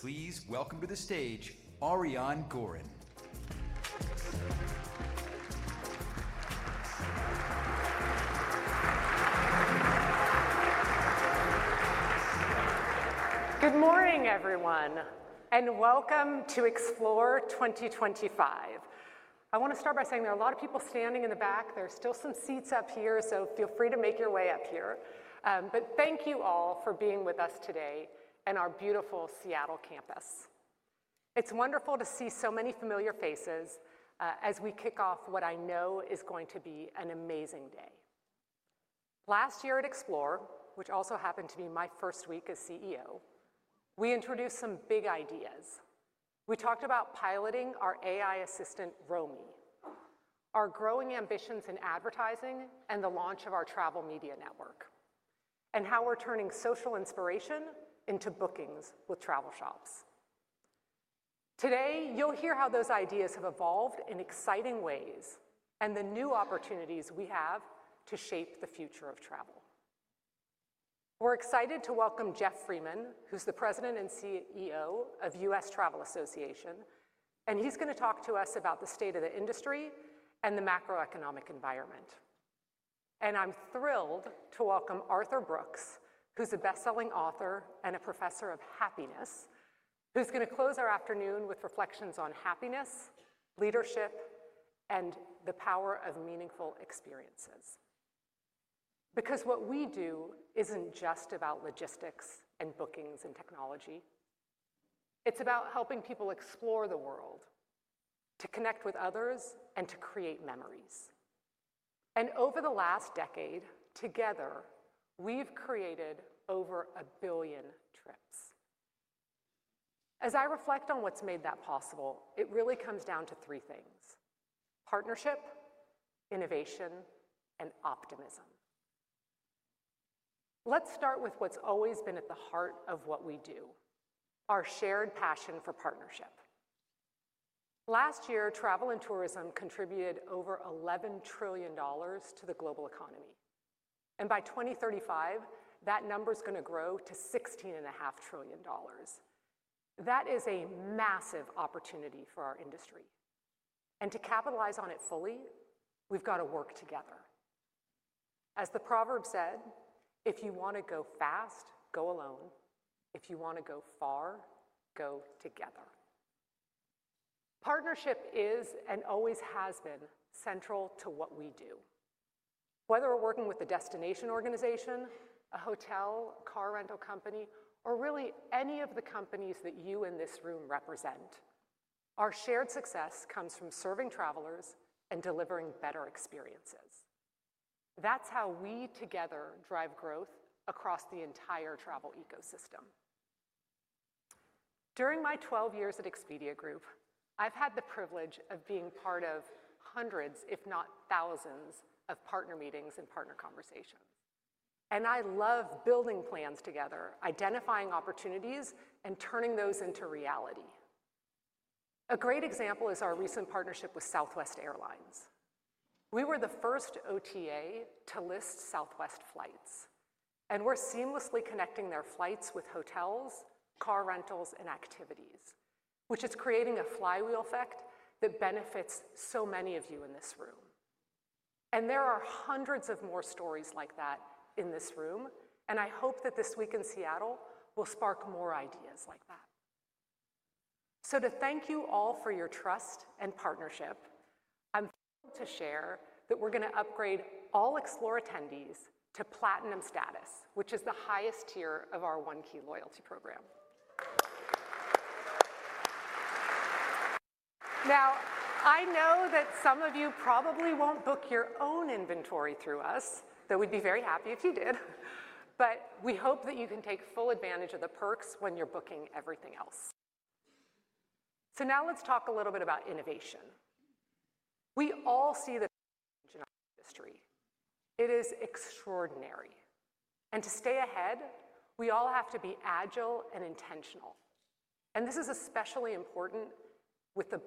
Please welcome to the stage, Ariane Gorin. Good morning, everyone, and welcome to Explore 2025. I want to start by saying there are a lot of people standing in the back. There are still some seats up here, so feel free to make your way up here. Thank you all for being with us today and our beautiful Seattle campus. It's wonderful to see so many familiar faces as we kick off what I know is going to be an amazing day. Last year at Explore, which also happened to be my first week as CEO, we introduced some big ideas. We talked about piloting our AI assistant, Romie, our growing ambitions in advertising, and the launch of our travel media network, and how we're turning social inspiration into bookings with travel shops. Today, you'll hear how those ideas have evolved in exciting ways and the new opportunities we have to shape the future of travel. We're excited to welcome Jeff Freeman, who's the President and CEO of US Travel Association, and he's going to talk to us about the state of the industry and the macroeconomic environment. I'm thrilled to welcome Arthur Brooks, who's a bestselling author and a professor of happiness, who's going to close our afternoon with reflections on happiness, leadership, and the power of meaningful experiences. Because what we do isn't just about logistics and bookings and technology. It's about helping people explore the world, to connect with others, and to create memories. Over the last decade, together, we've created over a billion trips. As I reflect on what's made that possible, it really comes down to three things: partnership, innovation, and optimism. Let's start with what's always been at the heart of what we do: our shared passion for partnership. Last year, travel and tourism contributed over $11 trillion to the global economy. By 2035, that number is going to grow to $16.5 trillion. That is a massive opportunity for our industry. To capitalize on it fully, we've got to work together. As the proverb said, "If you want to go fast, go alone. If you want to go far, go together." Partnership is and always has been central to what we do. Whether we're working with a destination organization, a hotel, a car rental company, or really any of the companies that you in this room represent, our shared success comes from serving travelers and delivering better experiences. That's how we together drive growth across the entire travel ecosystem. During my 12 years at Expedia Group, I've had the privilege of being part of hundreds, if not thousands, of partner meetings and partner conversations. I love building plans together, identifying opportunities, and turning those into reality. A great example is our recent partnership with Southwest Airlines. We were the first OTA to list Southwest flights, and we're seamlessly connecting their flights with hotels, car rentals, and activities, which is creating a flywheel effect that benefits so many of you in this room. There are hundreds more stories like that in this room, and I hope that this week in Seattle will spark more ideas like that. To thank you all for your trust and partnership, I'm thrilled to share that we're going to upgrade all Explore attendees to Platinum status, which is the highest tier of our One Key Loyalty Program. I know that some of you probably won't book your own inventory through us, though we'd be very happy if you did. We hope that you can take full advantage of the perks when you're booking everything else. Now let's talk a little bit about innovation. We all see the change in our industry. It is extraordinary. To stay ahead, we all have to be agile and intentional. This is especially important with the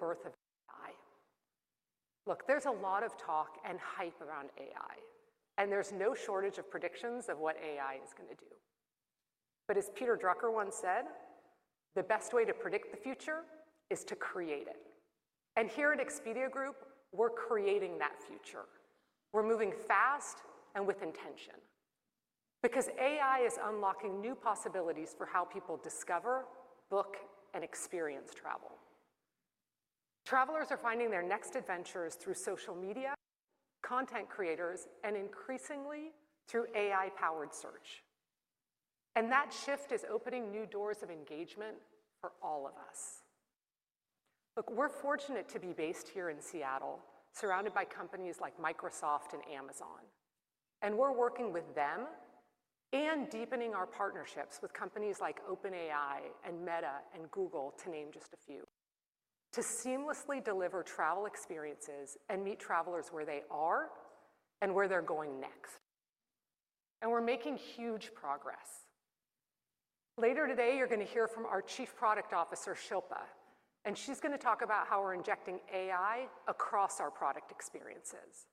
birth of AI. Look, there's a lot of talk and hype around AI, and there's no shortage of predictions of what AI is going to do. As Peter Drucker once said, "The best way to predict the future is to create it." Here at Expedia Group, we're creating that future. We're moving fast and with intention. AI is unlocking new possibilities for how people discover, book, and experience travel. Travelers are finding their next adventures through social media, content creators, and increasingly through AI-powered search. That shift is opening new doors of engagement for all of us. Look, we're fortunate to be based here in Seattle, surrounded by companies like Microsoft and Amazon. We're working with them and deepening our partnerships with companies like OpenAI and Meta and Google, to name just a few, to seamlessly deliver travel experiences and meet travelers where they are and where they're going next. We're making huge progress. Later today, you're going to hear from our Chief Product Officer, Shilpa, and she's going to talk about how we're injecting AI across our product experiences.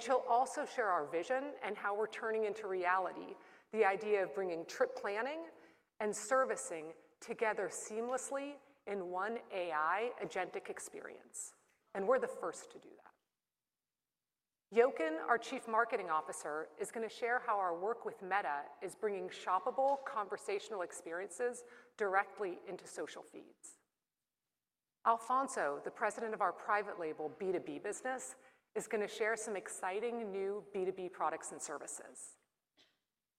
She'll also share our vision and how we're turning into reality the idea of bringing trip planning and servicing together seamlessly in one AI-agentic experience. We're the first to do that. Jochen, our Chief Marketing Officer, is going to share how our work with Meta is bringing shoppable conversational experiences directly into social feeds. Alfonso, the President of our private label B2B business, is going to share some exciting new B2B products and services.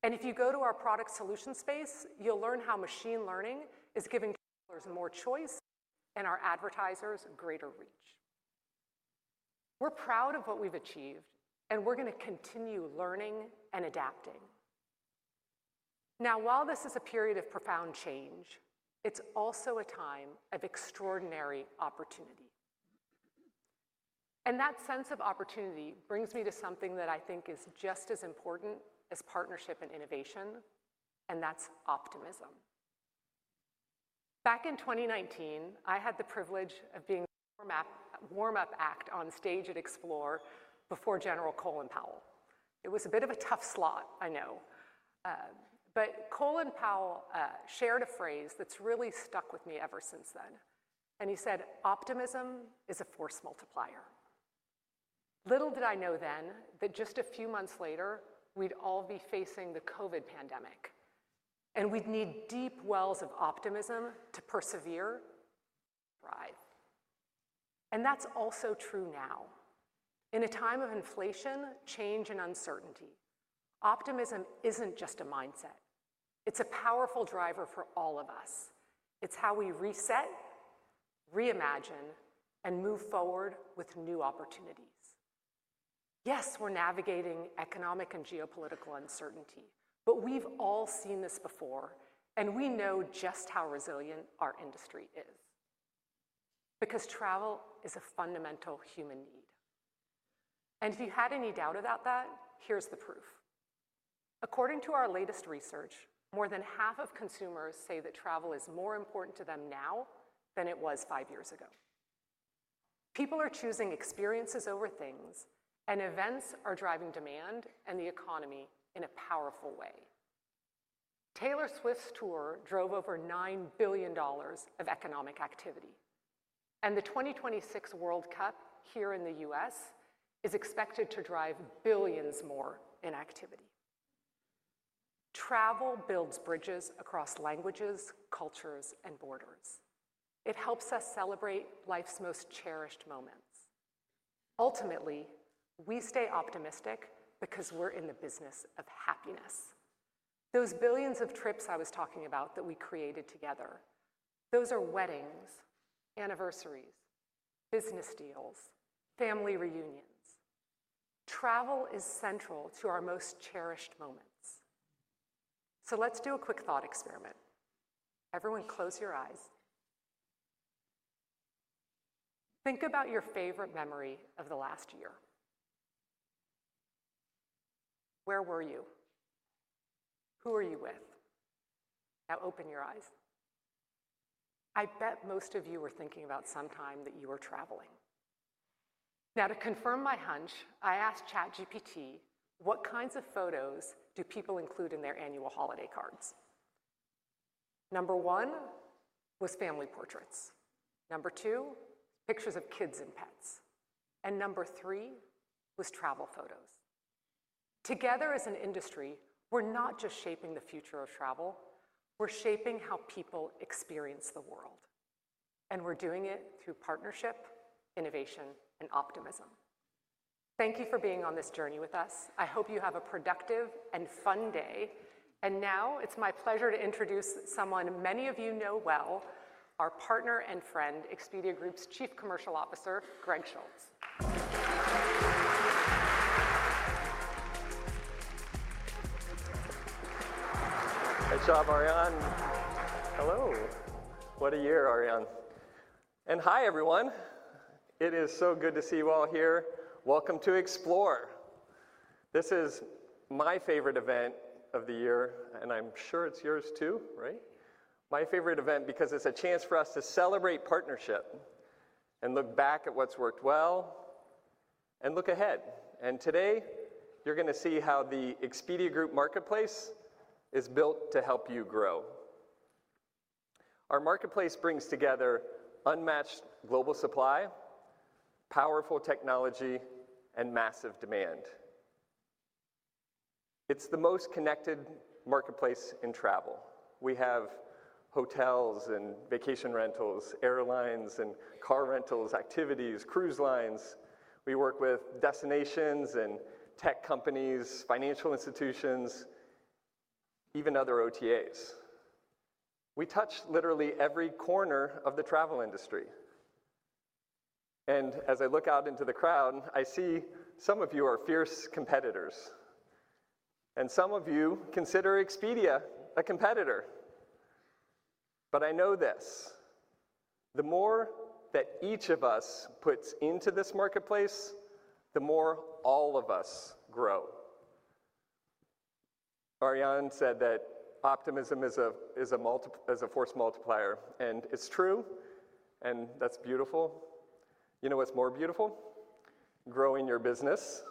If you go to our product solution space, you'll learn how machine learning is giving travelers more choice and our advertisers greater reach. We're proud of what we've achieved, and we're going to continue learning and adapting. Now, while this is a period of profound change, it's also a time of extraordinary opportunity. That sense of opportunity brings me to something that I think is just as important as partnership and innovation, and that's optimism. Back in 2019, I had the privilege of being on the Warm Up Act on stage at Explore before General Colin Powell. It was a bit of a tough slot, I know. Colin Powell shared a phrase that's really stuck with me ever since then. He said, "Optimism is a force multiplier." Little did I know then that just a few months later, we'd all be facing the COVID pandemic, and we'd need deep wells of optimism to persevere and thrive. That's also true now. In a time of inflation, change, and uncertainty, optimism isn't just a mindset. It's a powerful driver for all of us. It's how we reset, reimagine, and move forward with new opportunities. Yes, we're navigating economic and geopolitical uncertainty, but we've all seen this before, and we know just how resilient our industry is. Travel is a fundamental human need. If you had any doubt about that, here's the proof. According to our latest research, more than half of consumers say that travel is more important to them now than it was five years ago. People are choosing experiences over things, and events are driving demand and the economy in a powerful way. Taylor Swift's tour drove over $9 billion of economic activity. The 2026 World Cup here in the U.S. is expected to drive billions more in activity. Travel builds bridges across languages, cultures, and borders. It helps us celebrate life's most cherished moments. Ultimately, we stay optimistic because we're in the business of happiness. Those billions of trips I was talking about that we created together, those are weddings, anniversaries, business deals, family reunions. Travel is central to our most cherished moments. Let's do a quick thought experiment. Everyone close your eyes. Think about your favorite memory of the last year. Where were you? Who were you with? Now open your eyes. I bet most of you were thinking about some time that you were traveling. Now, to confirm my hunch, I asked ChatGPT, "What kinds of photos do people include in their annual holiday cards?" Number one was family portraits. Number two was pictures of kids and pets. Number three was travel photos. Together as an industry, we are not just shaping the future of travel. We are shaping how people experience the world. We are doing it through partnership, innovation, and optimism. Thank you for being on this journey with us. I hope you have a productive and fun day. Now it is my pleasure to introduce someone many of you know well, our partner and friend, Expedia Group's Chief Commercial Officer, Greg Schultz. Hey, Shahbaz. Hello. What a year, Ariane. Hi, everyone. It is so good to see you all here. Welcome to Explore. This is my favorite event of the year, and I'm sure it's yours too, right? My favorite event because it's a chance for us to celebrate partnership and look back at what's worked well and look ahead. Today, you're going to see how the Expedia Group Marketplace is built to help you grow. Our marketplace brings together unmatched global supply, powerful technology, and massive demand. It's the most connected marketplace in travel. We have hotels and vacation rentals, airlines and car rentals, activities, cruise lines. We work with destinations and tech companies, financial institutions, even other OTAs. We touch literally every corner of the travel industry. As I look out into the crowd, I see some of you are fierce competitors. Some of you consider Expedia a competitor. I know this: the more that each of us puts into this marketplace, the more all of us grow. Ariane said that optimism is a force multiplier, and it's true. That's beautiful. You know what's more beautiful? Growing your business.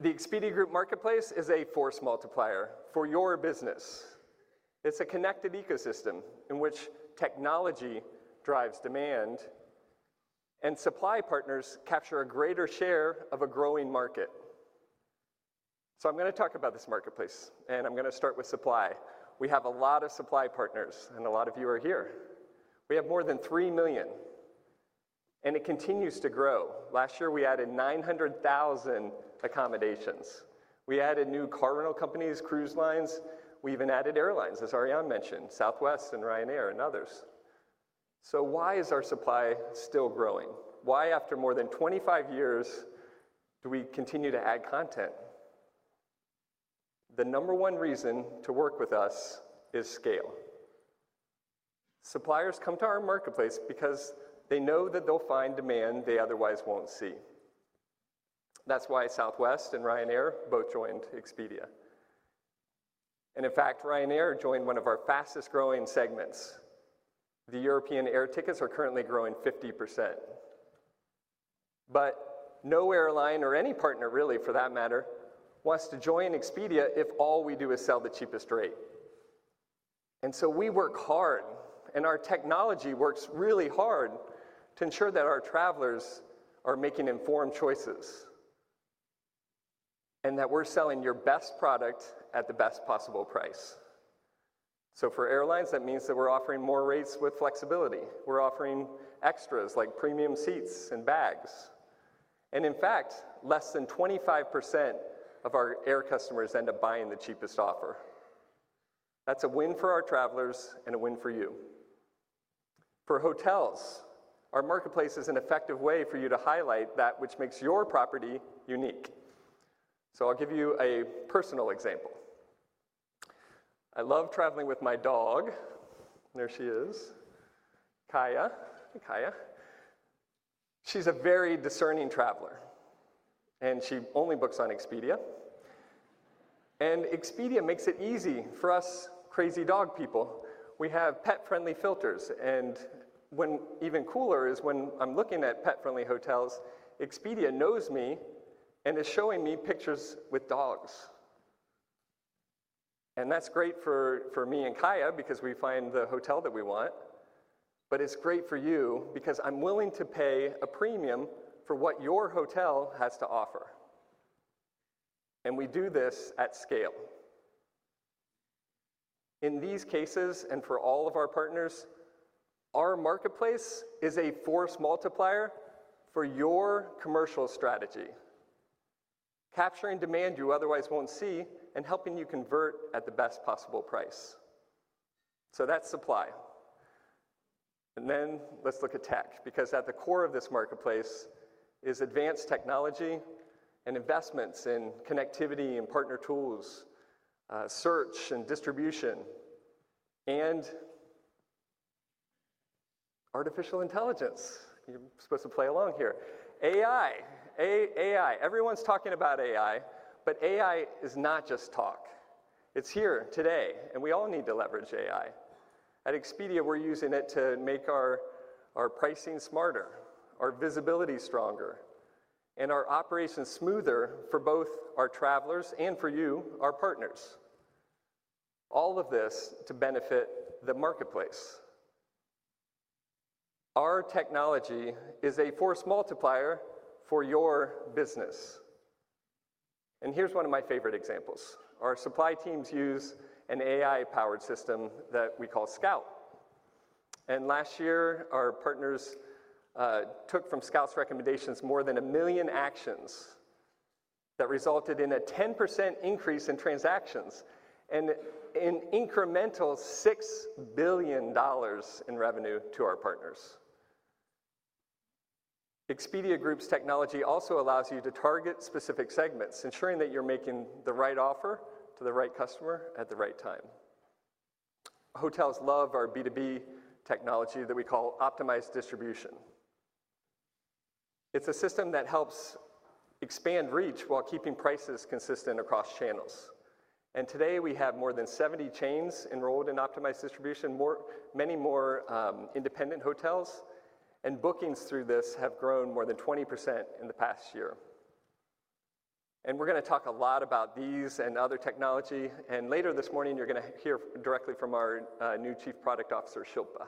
The Expedia Group Marketplace is a force multiplier for your business. It's a connected ecosystem in which technology drives demand, and supply partners capture a greater share of a growing market. I'm going to talk about this marketplace, and I'm going to start with supply. We have a lot of supply partners, and a lot of you are here. We have more than 3 million, and it continues to grow. Last year, we added 900,000 accommodations. We added new car rental companies, cruise lines. We even added airlines, as Ariane mentioned, Southwest and Ryanair and others. Why is our supply still growing? Why, after more than 25 years, do we continue to add content? The number one reason to work with us is scale. Suppliers come to our marketplace because they know that they'll find demand they otherwise won't see. That is why Southwest and Ryanair both joined Expedia. In fact, Ryanair joined one of our fastest-growing segments. The European air tickets are currently growing 50%. No airline or any partner, really, for that matter, wants to join Expedia if all we do is sell the cheapest rate. We work hard, and our technology works really hard to ensure that our travelers are making informed choices and that we're selling your best product at the best possible price. For airlines, that means that we're offering more rates with flexibility. We're offering extras like premium seats and bags. In fact, less than 25% of our air customers end up buying the cheapest offer. That's a win for our travelers and a win for you. For hotels, our marketplace is an effective way for you to highlight that which makes your property unique. I'll give you a personal example. I love traveling with my dog. There she is, Kaya. Hey, Kaya. She's a very discerning traveler, and she only books on Expedia. Expedia makes it easy for us crazy dog people. We have pet-friendly filters. Even cooler is when I'm looking at pet-friendly hotels, Expedia knows me and is showing me pictures with dogs. That's great for me and Kaya because we find the hotel that we want. It's great for you because I'm willing to pay a premium for what your hotel has to offer. We do this at scale. In these cases and for all of our partners, our marketplace is a force multiplier for your commercial strategy, capturing demand you otherwise will not see and helping you convert at the best possible price. That is supply. Let us look at tech because at the core of this marketplace is advanced technology and investments in connectivity and partner tools, search and distribution, and artificial intelligence. You are supposed to play along here. AI. AI. Everyone is talking about AI, but AI is not just talk. It is here today, and we all need to leverage AI. At Expedia, we are using it to make our pricing smarter, our visibility stronger, and our operations smoother for both our travelers and for you, our partners. All of this to benefit the marketplace. Our technology is a force multiplier for your business. Here is one of my favorite examples. Our supply teams use an AI-powered system that we call Scout. Last year, our partners took from Scout's recommendations more than a million actions that resulted in a 10% increase in transactions and an incremental $6 billion in revenue to our partners. Expedia Group's technology also allows you to target specific segments, ensuring that you're making the right offer to the right customer at the right time. Hotels love our B2B technology that we call optimized distribution. It's a system that helps expand reach while keeping prices consistent across channels. Today, we have more than 70 chains enrolled in optimized distribution, many more independent hotels, and bookings through this have grown more than 20% in the past year. We are going to talk a lot about these and other technology. Later this morning, you're going to hear directly from our new Chief Product Officer, Shilpa.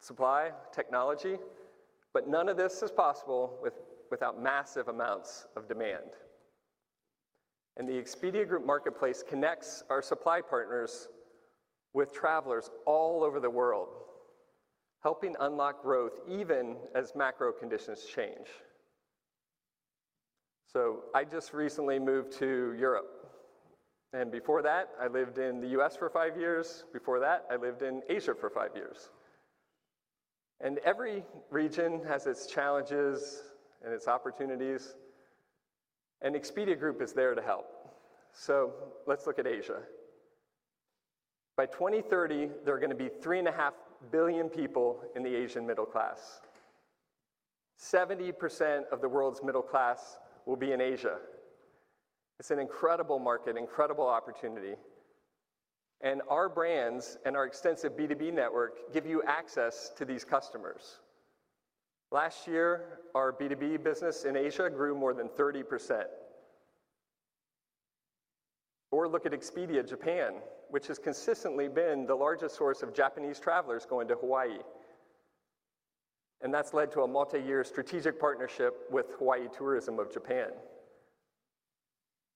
Supply technology, but none of this is possible without massive amounts of demand. The Expedia Group Marketplace connects our supply partners with travelers all over the world, helping unlock growth even as macro conditions change. I just recently moved to Europe. Before that, I lived in the U.S. for five years. Before that, I lived in Asia for five years. Every region has its challenges and its opportunities. Expedia Group is there to help. Let's look at Asia. By 2030, there are going to be 3.5 billion people in the Asian middle class. 70% of the world's middle class will be in Asia. It is an incredible market, incredible opportunity. Our brands and our extensive B2B network give you access to these customers. Last year, our B2B business in Asia grew more than 30%. Look at Expedia, Japan, which has consistently been the largest source of Japanese travelers going to Hawaii. That has led to a multi-year strategic partnership with Hawaii Tourism Japan.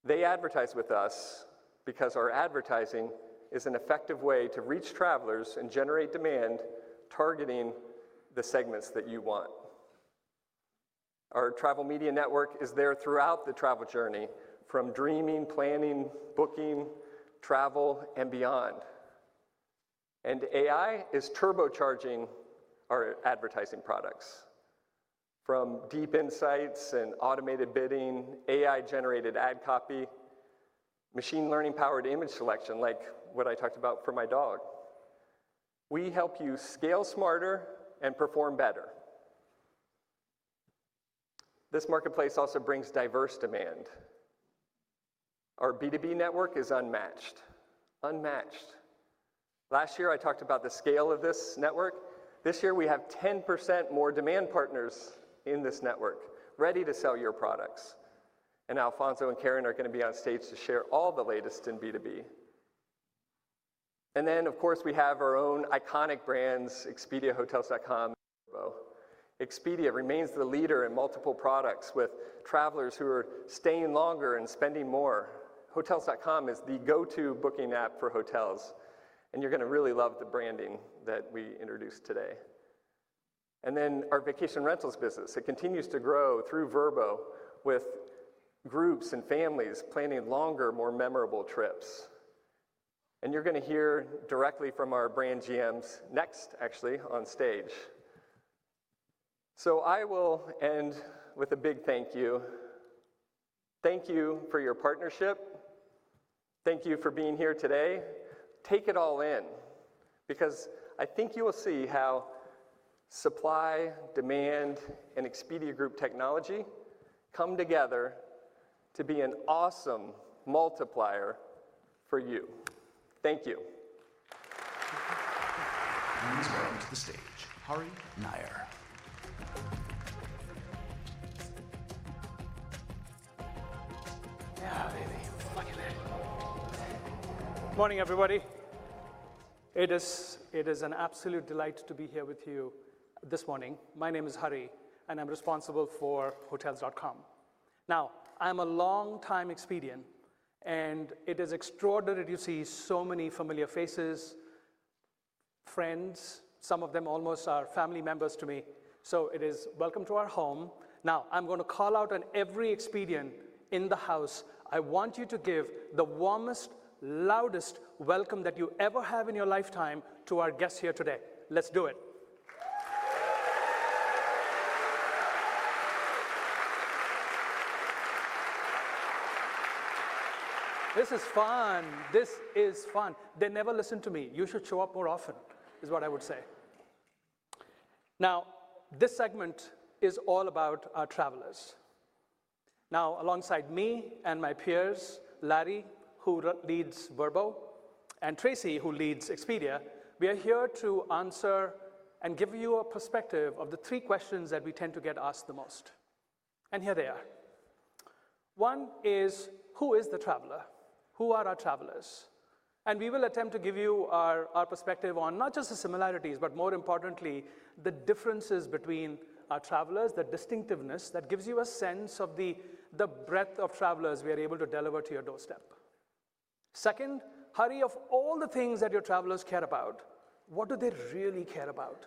They advertise with us because our advertising is an effective way to reach travelers and generate demand targeting the segments that you want. Our travel media network is there throughout the travel journey from dreaming, planning, booking, travel, and beyond. AI is turbocharging our advertising products. From deep insights and automated bidding, AI-generated ad copy, machine learning-powered image selection, like what I talked about for my dog. We help you scale smarter and perform better. This marketplace also brings diverse demand. Our B2B network is unmatched. Last year, I talked about the scale of this network. This year, we have 10% more demand partners in this network ready to sell your products. Alfonso and Karen are going to be on stage to share all the latest in B2B. Of course, we have our own iconic brands, Expedia, Hotels.com, and Vrbo. Expedia remains the leader in multiple products with travelers who are staying longer and spending more. Hotels.com is the go-to booking app for hotels. You are going to really love the branding that we introduced today. Our vacation rentals business continues to grow through Vrbo with groups and families planning longer, more memorable trips. You are going to hear directly from our brand GMs next, actually, on stage. I will end with a big thank you. Thank you for your partnership. Thank you for being here today. Take it all in because I think you will see how supply, demand, and Expedia Group technology come together to be an awesome multiplier for you. Thank you. Please welcome to the stage, Hari Nayar. Yeah, baby. Good morning, everybody. It is an absolute delight to be here with you this morning. My name is Hari, and I'm responsible for Hotels.com. Now, I'm a long-time Expedian, and it is extraordinary to see so many familiar faces, friends. Some of them almost are family members to me. So it is welcome to our home. Now, I'm going to call out on every Expedian in the house. I want you to give the warmest, loudest welcome that you ever have in your lifetime to our guests here today. Let's do it. This is fun. This is fun. They never listen to me. You should show up more often, is what I would say. Now, this segment is all about our travelers. Now, alongside me and my peers, Larry, who leads Vrbo, and Tracy, who leads Expedia, we are here to answer and give you a perspective of the three questions that we tend to get asked the most. Here they are. One is, who is the traveler? Who are our travelers? We will attempt to give you our perspective on not just the similarities, but more importantly, the differences between our travelers, the distinctiveness that gives you a sense of the breadth of travelers we are able to deliver to your doorstep. Second, Hari, of all the things that your travelers care about, what do they really care about?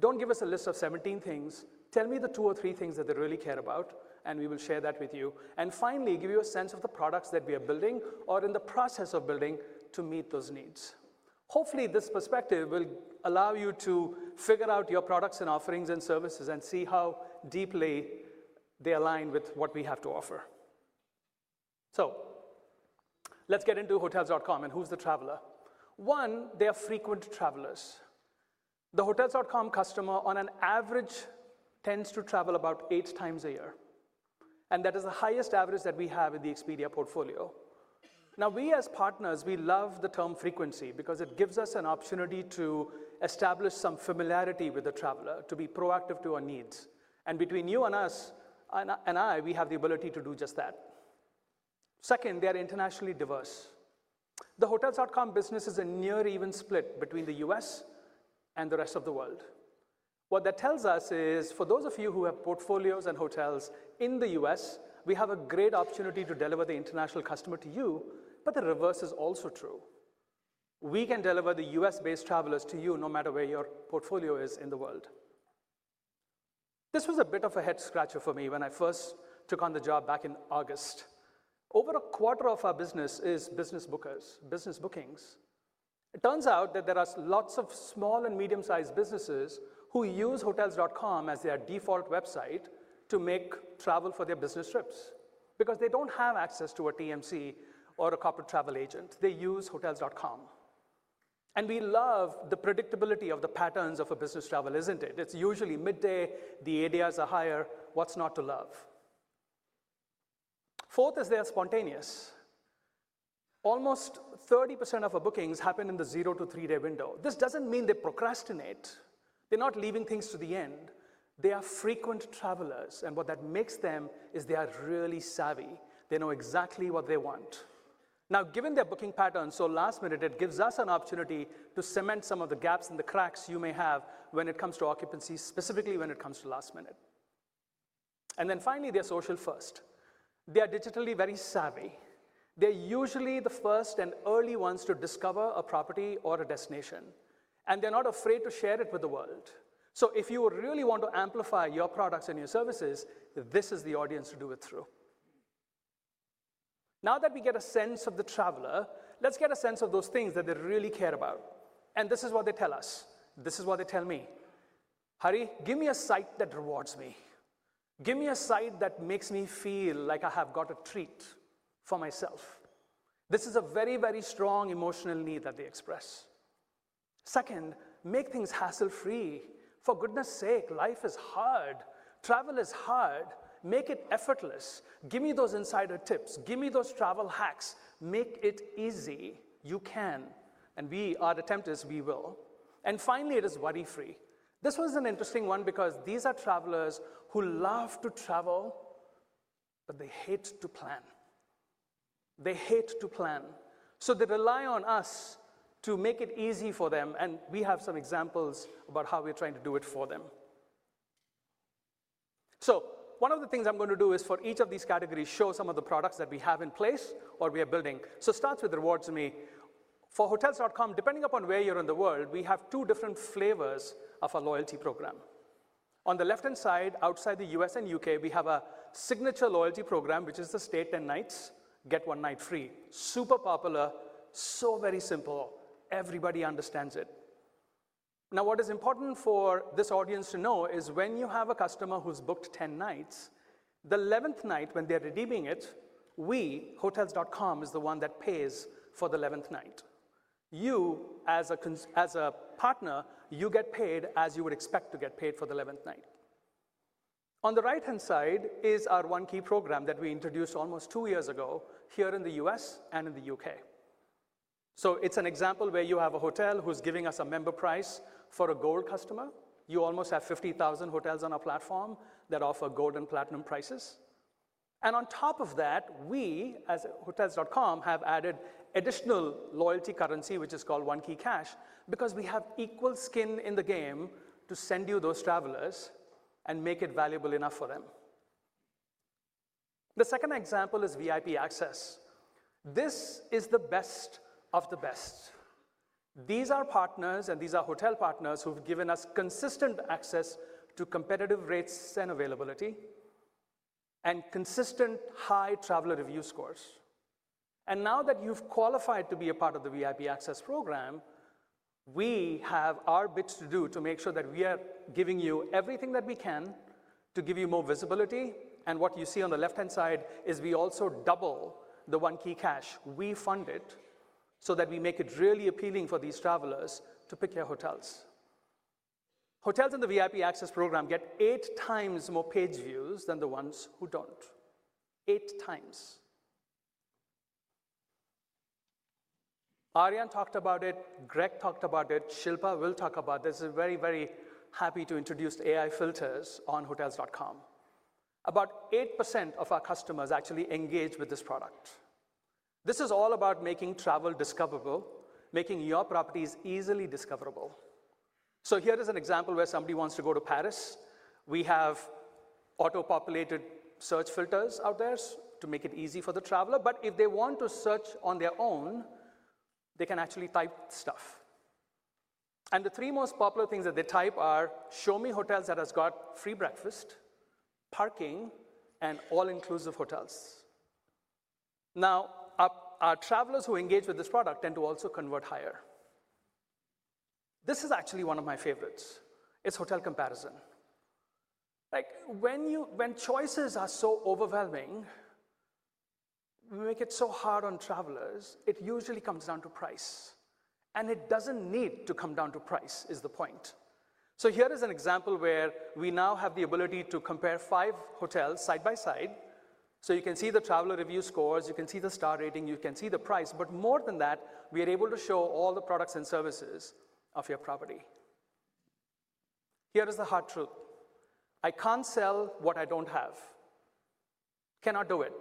Do not give us a list of 17 things. Tell me the two or three things that they really care about, and we will share that with you. Finally, give you a sense of the products that we are building or in the process of building to meet those needs. Hopefully, this perspective will allow you to figure out your products and offerings and services and see how deeply they align with what we have to offer. Let's get into Hotels.com and who's the traveler. One, they are frequent travelers. The Hotels.com customer, on average, tends to travel about eight times a year. That is the highest average that we have in the Expedia portfolio. Now, we as partners, we love the term frequency because it gives us an opportunity to establish some familiarity with the traveler, to be proactive to our needs. Between you and us and I, we have the ability to do just that. Second, they are internationally diverse. The Hotels.com business is a near-even split between the U.S. and the rest of the world. What that tells us is, for those of you who have portfolios and hotels in the U.S., we have a great opportunity to deliver the international customer to you, but the reverse is also true. We can deliver the U.S.-based travelers to you no matter where your portfolio is in the world. This was a bit of a head-scratcher for me when I first took on the job back in August. Over a quarter of our business is business bookers, business bookings. It turns out that there are lots of small and medium-sized businesses who use Hotels.com as their default website to make travel for their business trips because they do not have access to a TMC or a corporate travel agent. They use Hotels.com. We love the predictability of the patterns of business travel, isn't it? It's usually midday. The ADRs are higher. What's not to love? Fourth is they are spontaneous. Almost 30% of our bookings happen in the zero to three-day window. This doesn't mean they procrastinate. They're not leaving things to the end. They are frequent travelers. And what that makes them is they are really savvy. They know exactly what they want. Now, given their booking patterns so last-minute, it gives us an opportunity to cement some of the gaps and the cracks you may have when it comes to occupancy, specifically when it comes to last-minute. Finally, they are social-first. They are digitally very savvy. They're usually the first and early ones to discover a property or a destination. They're not afraid to share it with the world. If you really want to amplify your products and your services, this is the audience to do it through. Now that we get a sense of the traveler, let's get a sense of those things that they really care about. This is what they tell us. This is what they tell me. Hari, give me a site that rewards me. Give me a site that makes me feel like I have got a treat for myself. This is a very, very strong emotional need that they express. Second, make things hassle-free. For goodness' sake, life is hard. Travel is hard. Make it effortless. Give me those insider tips. Give me those travel hacks. Make it easy. You can. We are attempters. We will. Finally, it is worry-free. This one's an interesting one because these are travelers who love to travel, but they hate to plan. They hate to plan. They rely on us to make it easy for them. We have some examples about how we're trying to do it for them. One of the things I'm going to do is, for each of these categories, show some of the products that we have in place or we are building. It starts with rewards to me. For Hotels.com, depending upon where you are in the world, we have two different flavors of our loyalty program. On the left-hand side, outside the U.S. and U.K., we have a signature loyalty program, which is the stay 10 nights, get one night free. Super popular, very simple. Everybody understands it. Now, what is important for this audience to know is when you have a customer who's booked 10 nights, the 11th night, when they're redeeming it, we, Hotels.com, is the one that pays for the 11th night. You, as a partner, you get paid as you would expect to get paid for the 11th night. On the right-hand side is our One Key program that we introduced almost two years ago here in the U.S. and in the U.K. It is an example where you have a hotel who's giving us a member price for a gold customer. You almost have 50,000 hotels on our platform that offer gold and platinum prices. On top of that, we as Hotels.com have added additional loyalty currency, which is called One Key Cash, because we have equal skin in the game to send you those travelers and make it valuable enough for them. The second example is VIP Access. This is the best of the best. These are partners, and these are hotel partners who've given us consistent access to competitive rates and availability and consistent high traveler review scores. Now that you've qualified to be a part of the VIP Access program, we have our bits to do to make sure that we are giving you everything that we can to give you more visibility. What you see on the left-hand side is we also double the One Key cash. We fund it so that we make it really appealing for these travelers to pick their hotels. Hotels in the VIP Access program get eight times more page views than the ones who do not. Eight times. Ariane talked about it. Greg talked about it. Shilpa will talk about this. We're very, very happy to introduce AI Filters on Hotels.com. About 8% of our customers actually engage with this product. This is all about making travel discoverable, making your properties easily discoverable. Here is an example where somebody wants to go to Paris. We have auto-populated search filters out there to make it easy for the traveler. If they want to search on their own, they can actually type stuff. The three most popular things that they type are show me hotels that have got free breakfast, parking, and all-inclusive hotels. Now, our travelers who engage with this product tend to also convert higher. This is actually one of my favorites. It is hotel comparison. When choices are so overwhelming, we make it so hard on travelers, it usually comes down to price. It does not need to come down to price is the point. Here is an example where we now have the ability to compare five hotels side by side. You can see the traveler review scores. You can see the star rating. You can see the price. More than that, we are able to show all the products and services of your property. Here is the hard truth. I can't sell what I don't have. Cannot do it.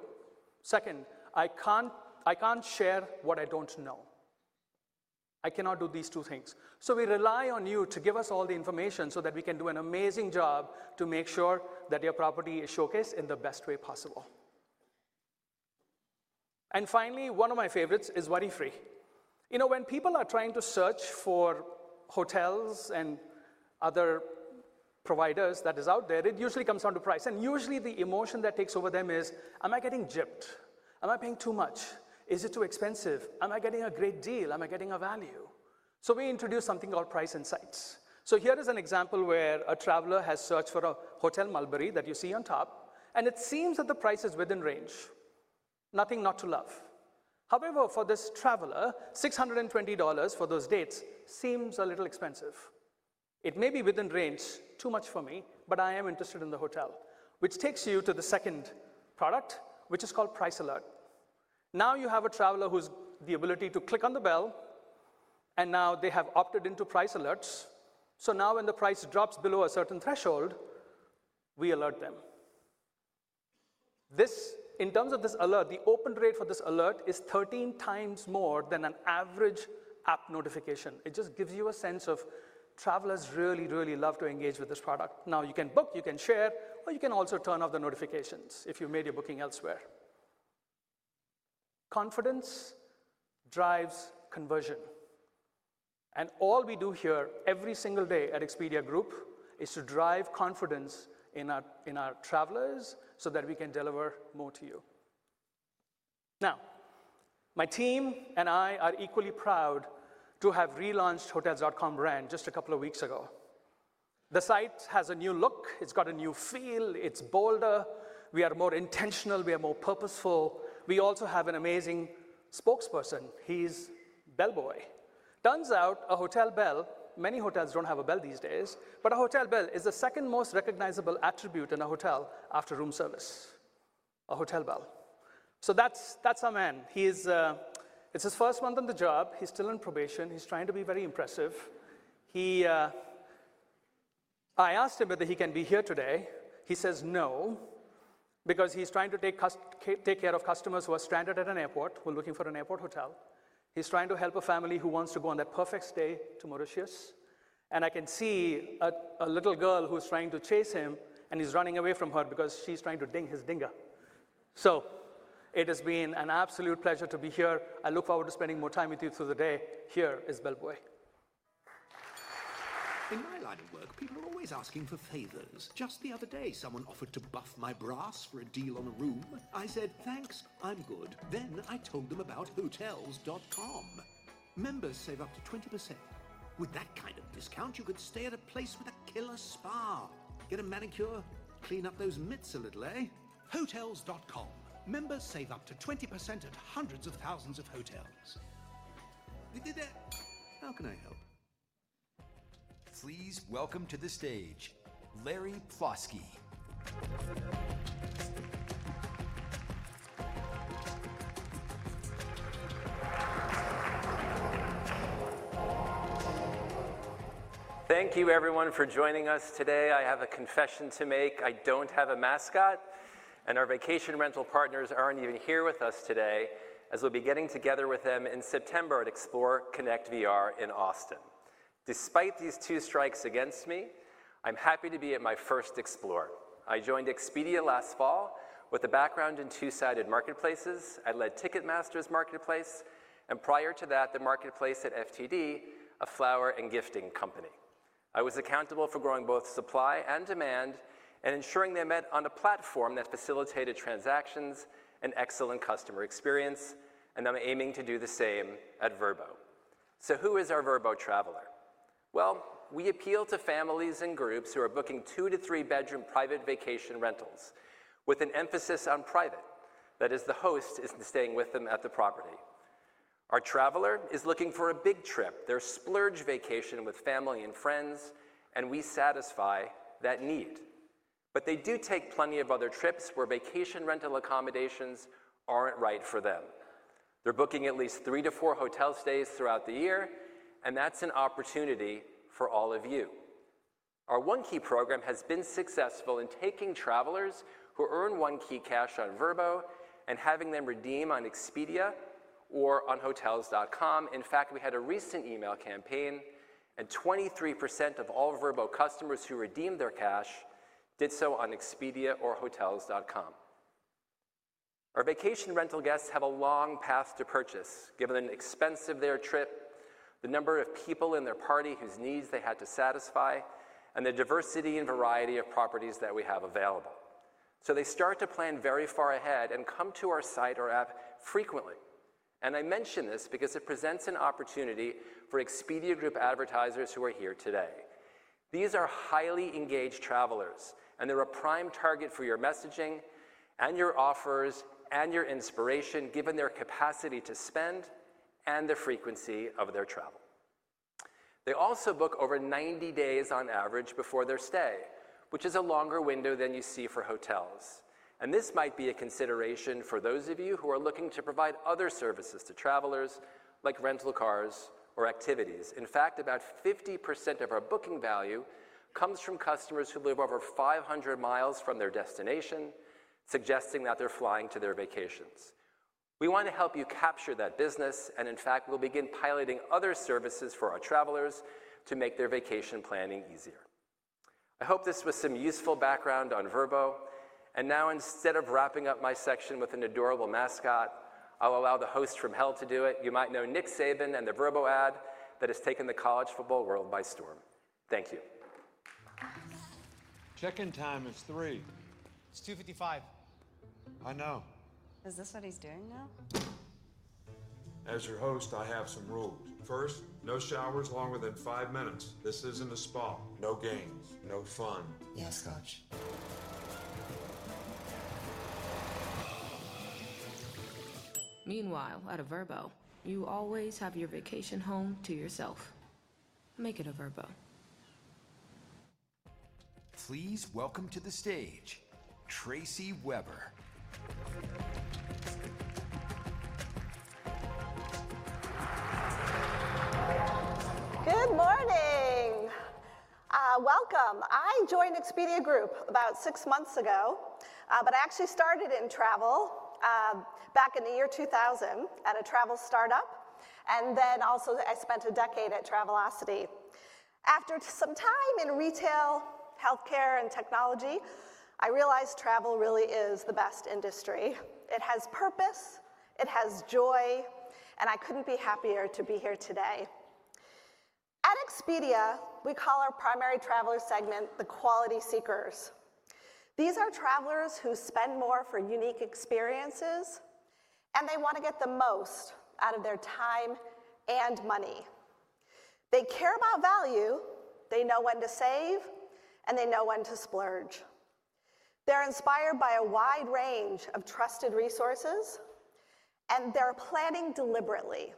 Second, I can't share what I don't know. I cannot do these two things. We rely on you to give us all the information so that we can do an amazing job to make sure that your property is showcased in the best way possible. Finally, one of my favorites is worry-free. When people are trying to search for hotels and other providers that are out there, it usually comes down to price. Usually, the emotion that takes over them is, am I getting gypped? Am I paying too much? Is it too expensive? Am I getting a great deal? Am I getting a value? We introduce something called price insights. Here is an example where a traveler has searched for a Hotel Mulberry that you see on top. It seems that the price is within range. Nothing not to love. However, for this traveler, $620 for those dates seems a little expensive. It may be within range, too much for me, but I am interested in the hotel, which takes you to the second product, which is called price alert. Now you have a traveler who has the ability to click on the bell. Now they have opted into price alerts. Now when the price drops below a certain threshold, we alert them. In terms of this alert, the open rate for this alert is 13 times more than an average app notification. It just gives you a sense of travelers really, really love to engage with this product. Now, you can book, you can share, or you can also turn off the notifications if you made your booking elsewhere. Confidence drives conversion. All we do here every single day at Expedia Group is to drive confidence in our travelers so that we can deliver more to you. Now, my team and I are equally proud to have relaunched Hotels.com brand just a couple of weeks ago. The site has a new look. It's got a new feel. It's bolder. We are more intentional. We are more purposeful. We also have an amazing spokesperson. He's Bellboy. Turns out a hotel bell, many hotels do not have a bell these days, but a hotel bell is the second most recognizable attribute in a hotel after room service. A hotel bell. So that's our man. It's his first month on the job. He's still in probation. He's trying to be very impressive. I asked him whether he can be here today. He says no because he's trying to take care of customers who are stranded at an airport, who are looking for an airport hotel. He's trying to help a family who wants to go on their perfect stay to Mauritius. I can see a little girl who's trying to chase him. He's running away from her because she's trying to ding his dinger. It has been an absolute pleasure to be here. I look forward to spending more time with you through the day. Here is Bellboy. In my line of work, people are always asking for favors. Just the other day, someone offered to buff my brass for a deal on a room. I said, "Thanks. I'm good." I told them about Hotels.com. Members save up to 20%. With that kind of discount, you could stay at a place with a killer spa. Get a manicure. Clean up those mitts a little, Hotels.com. Members save up to 20% at hundreds of thousands of hotels. How can I help? Please welcome to the stage, Larry Plosky. Thank you, everyone, for joining us today. I have a confession to make. I do not have a mascot. Our vacation rental partners are not even here with us today, as we will be getting together with them in September at Explore Connect VR in Austin. Despite these two strikes against me, I'm happy to be at my first Explore. I joined Expedia last fall with a background in two-sided marketplaces. I led Ticketmaster's marketplace. Prior to that, the marketplace at FTD, a flower and gifting company. I was accountable for growing both supply and demand and ensuring they met on a platform that facilitated transactions and excellent customer experience. I'm aiming to do the same at Vrbo. Who is our Vrbo traveler? We appeal to families and groups who are booking two- to three-bedroom private vacation rentals with an emphasis on private. That is, the host isn't staying with them at the property. Our traveler is looking for a big trip, their splurge vacation with family and friends, and we satisfy that need. They do take plenty of other trips where vacation rental accommodations aren't right for them. They're booking at least three to four hotel stays throughout the year. That is an opportunity for all of you. Our One Key program has been successful in taking travelers who earn One Key cash on Vrbo and having them redeem on Expedia or on Hotels.com. In fact, we had a recent email campaign, and 23% of all Vrbo customers who redeemed their cash did so on Expedia or Hotels.com. Our vacation rental guests have a long path to purchase, given the expense of their trip, the number of people in their party whose needs they had to satisfy, and the diversity and variety of properties that we have available. They start to plan very far ahead and come to our site or app frequently. I mention this because it presents an opportunity for Expedia Group advertisers who are here today. These are highly engaged travelers. They're a prime target for your messaging and your offers and your inspiration, given their capacity to spend and the frequency of their travel. They also book over 90 days on average before their stay, which is a longer window than you see for hotels. This might be a consideration for those of you who are looking to provide other services to travelers, like rental cars or activities. In fact, about 50% of our booking value comes from customers who live over 500 mi from their destination, suggesting that they're flying to their vacations. We want to help you capture that business. In fact, we'll begin piloting other services for our travelers to make their vacation planning easier. I hope this was some useful background on Vrbo. Now, instead of wrapping up my section with an adorable mascot, I'll allow the host from hell to do it. You might know Nick Saban and the Vrbo ad that has taken the college football world by storm. Thank you. Check-in time is 3:00. It's 2:55. I know. Is this what he's doing now? As your host, I have some rules. First, no showers longer than five minutes. This isn't a spa. No games. No fun. Yeah, Scott. Meanwhile, at a Vrbo, you always have your vacation home to yourself. Make it a Vrbo. Please welcome to the stage, Tracy Weber. Good morning. Welcome. I joined Expedia Group about six months ago. I actually started in travel back in the year 2000 at a travel startup. And then also, I spent a decade at Travelocity. After some time in retail, healthcare, and technology, I realized travel really is the best industry. It has purpose. It has joy. I couldn't be happier to be here today. At Expedia, we call our primary traveler segment the quality seekers. These are travelers who spend more for unique experiences. They want to get the most out of their time and money. They care about value. They know when to save. They know when to splurge. They're inspired by a wide range of trusted resources. They're planning deliberately.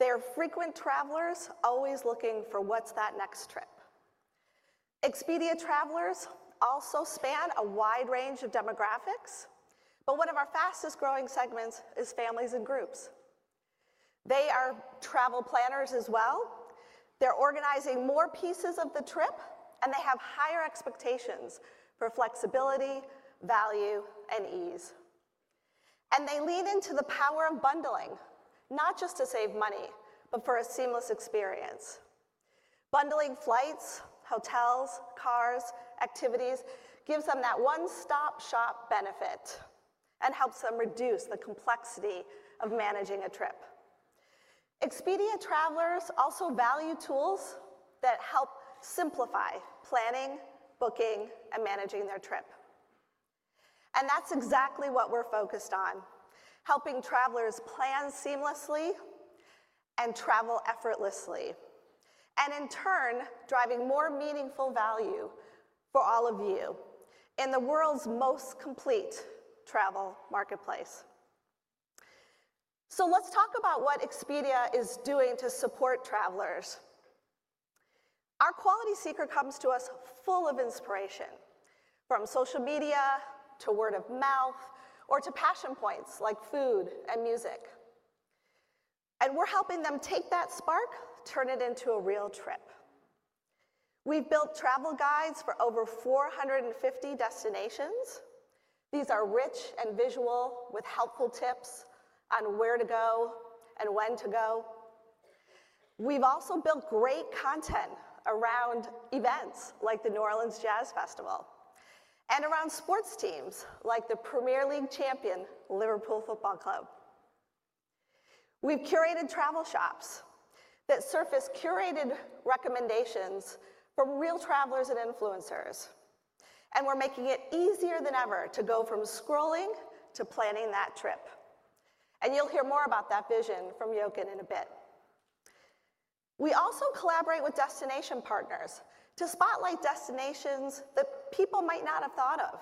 They are frequent travelers, always looking for what's that next trip. Expedia travelers also span a wide range of demographics. One of our fastest-growing segments is families and groups. They are travel planners as well. They're organizing more pieces of the trip. They have higher expectations for flexibility, value, and ease. They lean into the power of bundling, not just to save money, but for a seamless experience. Bundling flights, hotels, cars, activities gives them that one-stop-shop benefit and helps them reduce the complexity of managing a trip. Expedia travelers also value tools that help simplify planning, booking, and managing their trip. That is exactly what we are focused on: helping travelers plan seamlessly and travel effortlessly, and in turn, driving more meaningful value for all of you in the world's most complete travel marketplace. Let us talk about what Expedia is doing to support travelers. Our quality seeker comes to us full of inspiration, from social media to word of mouth or to passion points like food and music. We are helping them take that spark, turn it into a real trip. We have built travel guides for over 450 destinations. These are rich and visual, with helpful tips on where to go and when to go. We have also built great content around events like the New Orleans Jazz Festival and around sports teams like the Premier League champion Liverpool Football Club. We have curated travel shops that surface curated recommendations from real travelers and influencers. We are making it easier than ever to go from scrolling to planning that trip. You will hear more about that vision from Jochen in a bit. We also collaborate with destination partners to spotlight destinations that people might not have thought of,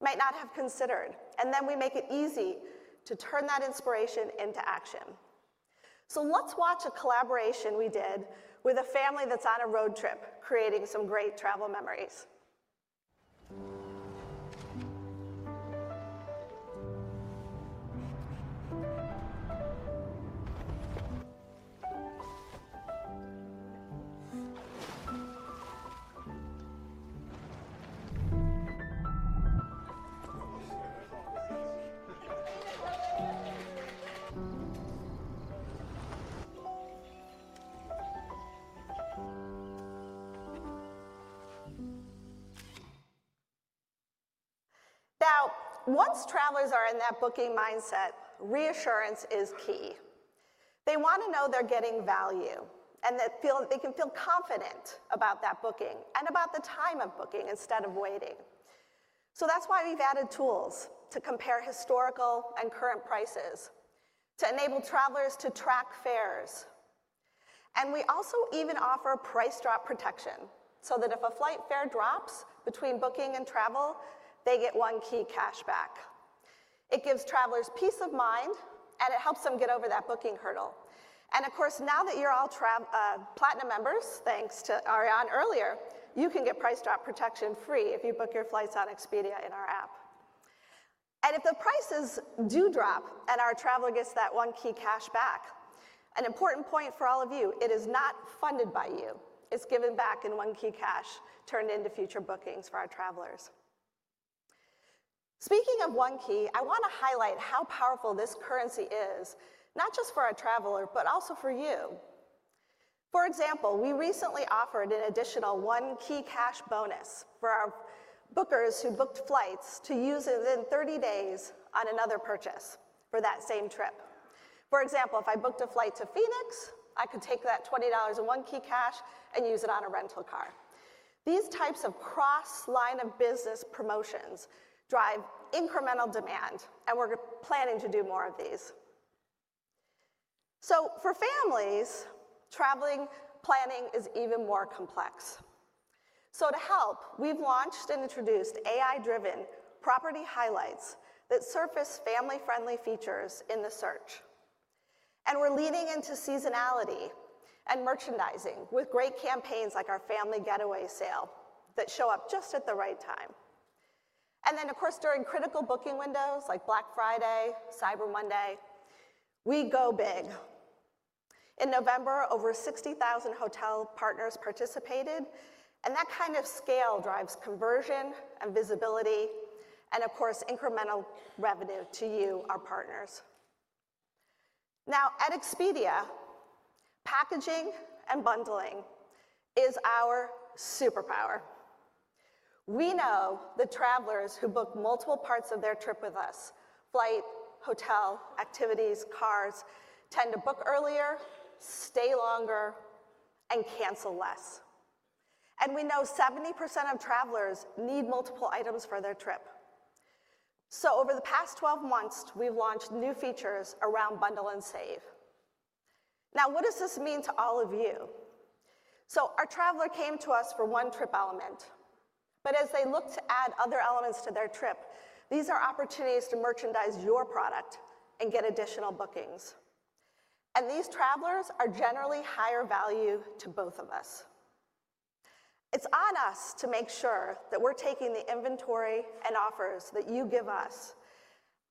might not have considered. We make it easy to turn that inspiration into action. Let's watch a collaboration we did with a family that is on a road trip, creating some great travel memories. Now, once travelers are in that booking mindset, reassurance is key. They want to know they're getting value and that they can feel confident about that booking and about the time of booking instead of waiting. That is why we've added tools to compare historical and current prices to enable travelers to track fares. We also even offer price drop protection so that if a flight fare drops between booking and travel, they get One Key cash back. It gives travelers peace of mind, and it helps them get over that booking hurdle. Of course, now that you're all Platinum members, thanks to Ariane earlier, you can get price drop protection free if you book your flights on Expedia in our app. If the prices do drop and our traveler gets that One Key cash back, an important point for all of you: it is not funded by you. It's given back in One Key Cash, turned into future bookings for our travelers. Speaking of One Key, I want to highlight how powerful this currency is, not just for our traveler, but also for you. For example, we recently offered an additional One Key Cash bonus for our bookers who booked flights to use it within 30 days on another purchase for that same trip. For example, if I booked a flight to Phoenix, I could take that $20 in One Key Cash and use it on a rental car. These types of cross-line of business promotions drive incremental demand. We are planning to do more of these. For families, traveling planning is even more complex. To help, we've launched and introduced AI-driven property highlights that surface family-friendly features in the search. We're leaning into seasonality and merchandising with great campaigns like our family getaway sale that show up just at the right time. Of course, during critical booking windows like Black Friday, Cyber Monday, we go big. In November, over 60,000 hotel partners participated. That kind of scale drives conversion and visibility and, of course, incremental revenue to you, our partners. At Expedia, packaging and bundling is our superpower. We know the travelers who book multiple parts of their trip with us: flight, hotel, activities, cars tend to book earlier, stay longer, and cancel less. We know 70% of travelers need multiple items for their trip. Over the past 12 months, we've launched new features around bundle and save. What does this mean to all of you? Our traveler came to us for one trip element. As they look to add other elements to their trip, these are opportunities to merchandise your product and get additional bookings. These travelers are generally higher value to both of us. It is on us to make sure that we are taking the inventory and offers that you give us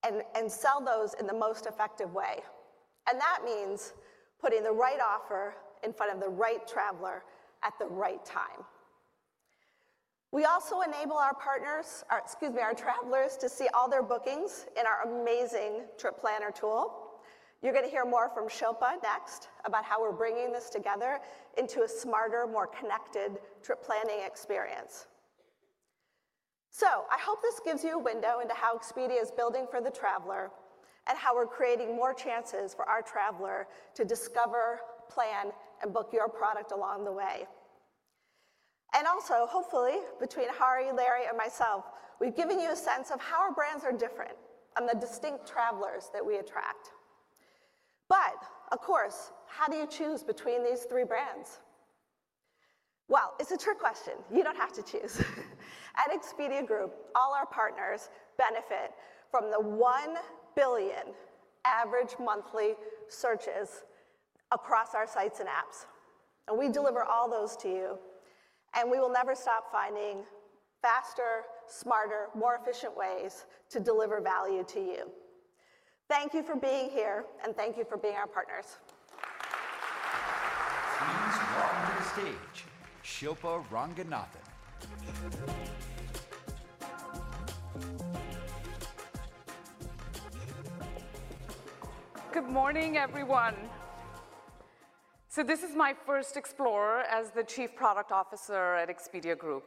and sell those in the most effective way. That means putting the right offer in front of the right traveler at the right time. We also enable our partners, excuse me, our travelers, to see all their bookings in our amazing trip planner tool. You are going to hear more from Shilpa next about how we are bringing this together into a smarter, more connected trip planning experience. I hope this gives you a window into how Expedia is building for the traveler and how we're creating more chances for our traveler to discover, plan, and book your product along the way. Also, hopefully, between Harry, Larry, and myself, we've given you a sense of how our brands are different and the distinct travelers that we attract. Of course, how do you choose between these three brands? It's a trick question. You don't have to choose. At Expedia Group, all our partners benefit from the 1 billion average monthly searches across our sites and apps. We deliver all those to you. We will never stop finding faster, smarter, more efficient ways to deliver value to you. Thank you for being here. Thank you for being our partners. Please welcome to the stage, Shilpa Ranganathan. Good morning, everyone. This is my first Explore as the Chief Product Officer at Expedia Group.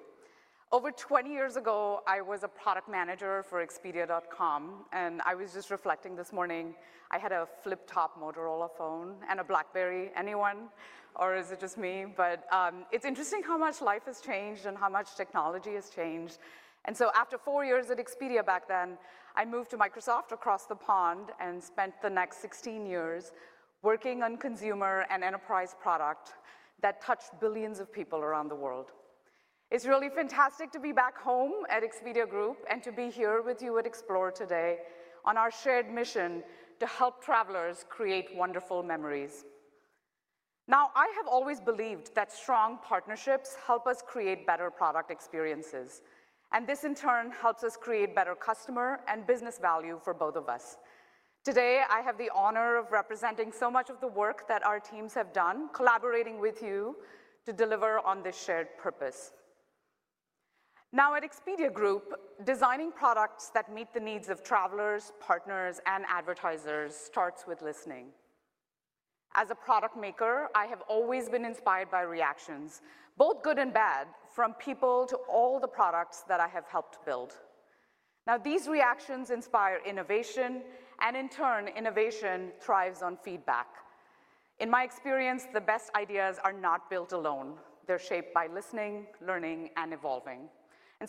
Over 20 years ago, I was a product manager for expedia.com. I was just reflecting this morning. I had a flip-top Motorola phone and a Blackberry. Anyone? Or is it just me? It is interesting how much life has changed and how much technology has changed. After four years at Expedia back then, I moved to Microsoft across the pond and spent the next 16 years working on consumer and enterprise product that touched billions of people around the world. It is really fantastic to be back home at Expedia Group and to be here with you at Explore today on our shared mission to help travelers create wonderful memories. I have always believed that strong partnerships help us create better product experiences. This, in turn, helps us create better customer and business value for both of us. Today, I have the honor of representing so much of the work that our teams have done, collaborating with you to deliver on this shared purpose. At Expedia Group, designing products that meet the needs of travelers, partners, and advertisers starts with listening. As a product maker, I have always been inspired by reactions, both good and bad, from people to all the products that I have helped build. These reactions inspire innovation. In turn, innovation thrives on feedback. In my experience, the best ideas are not built alone. They're shaped by listening, learning, and evolving.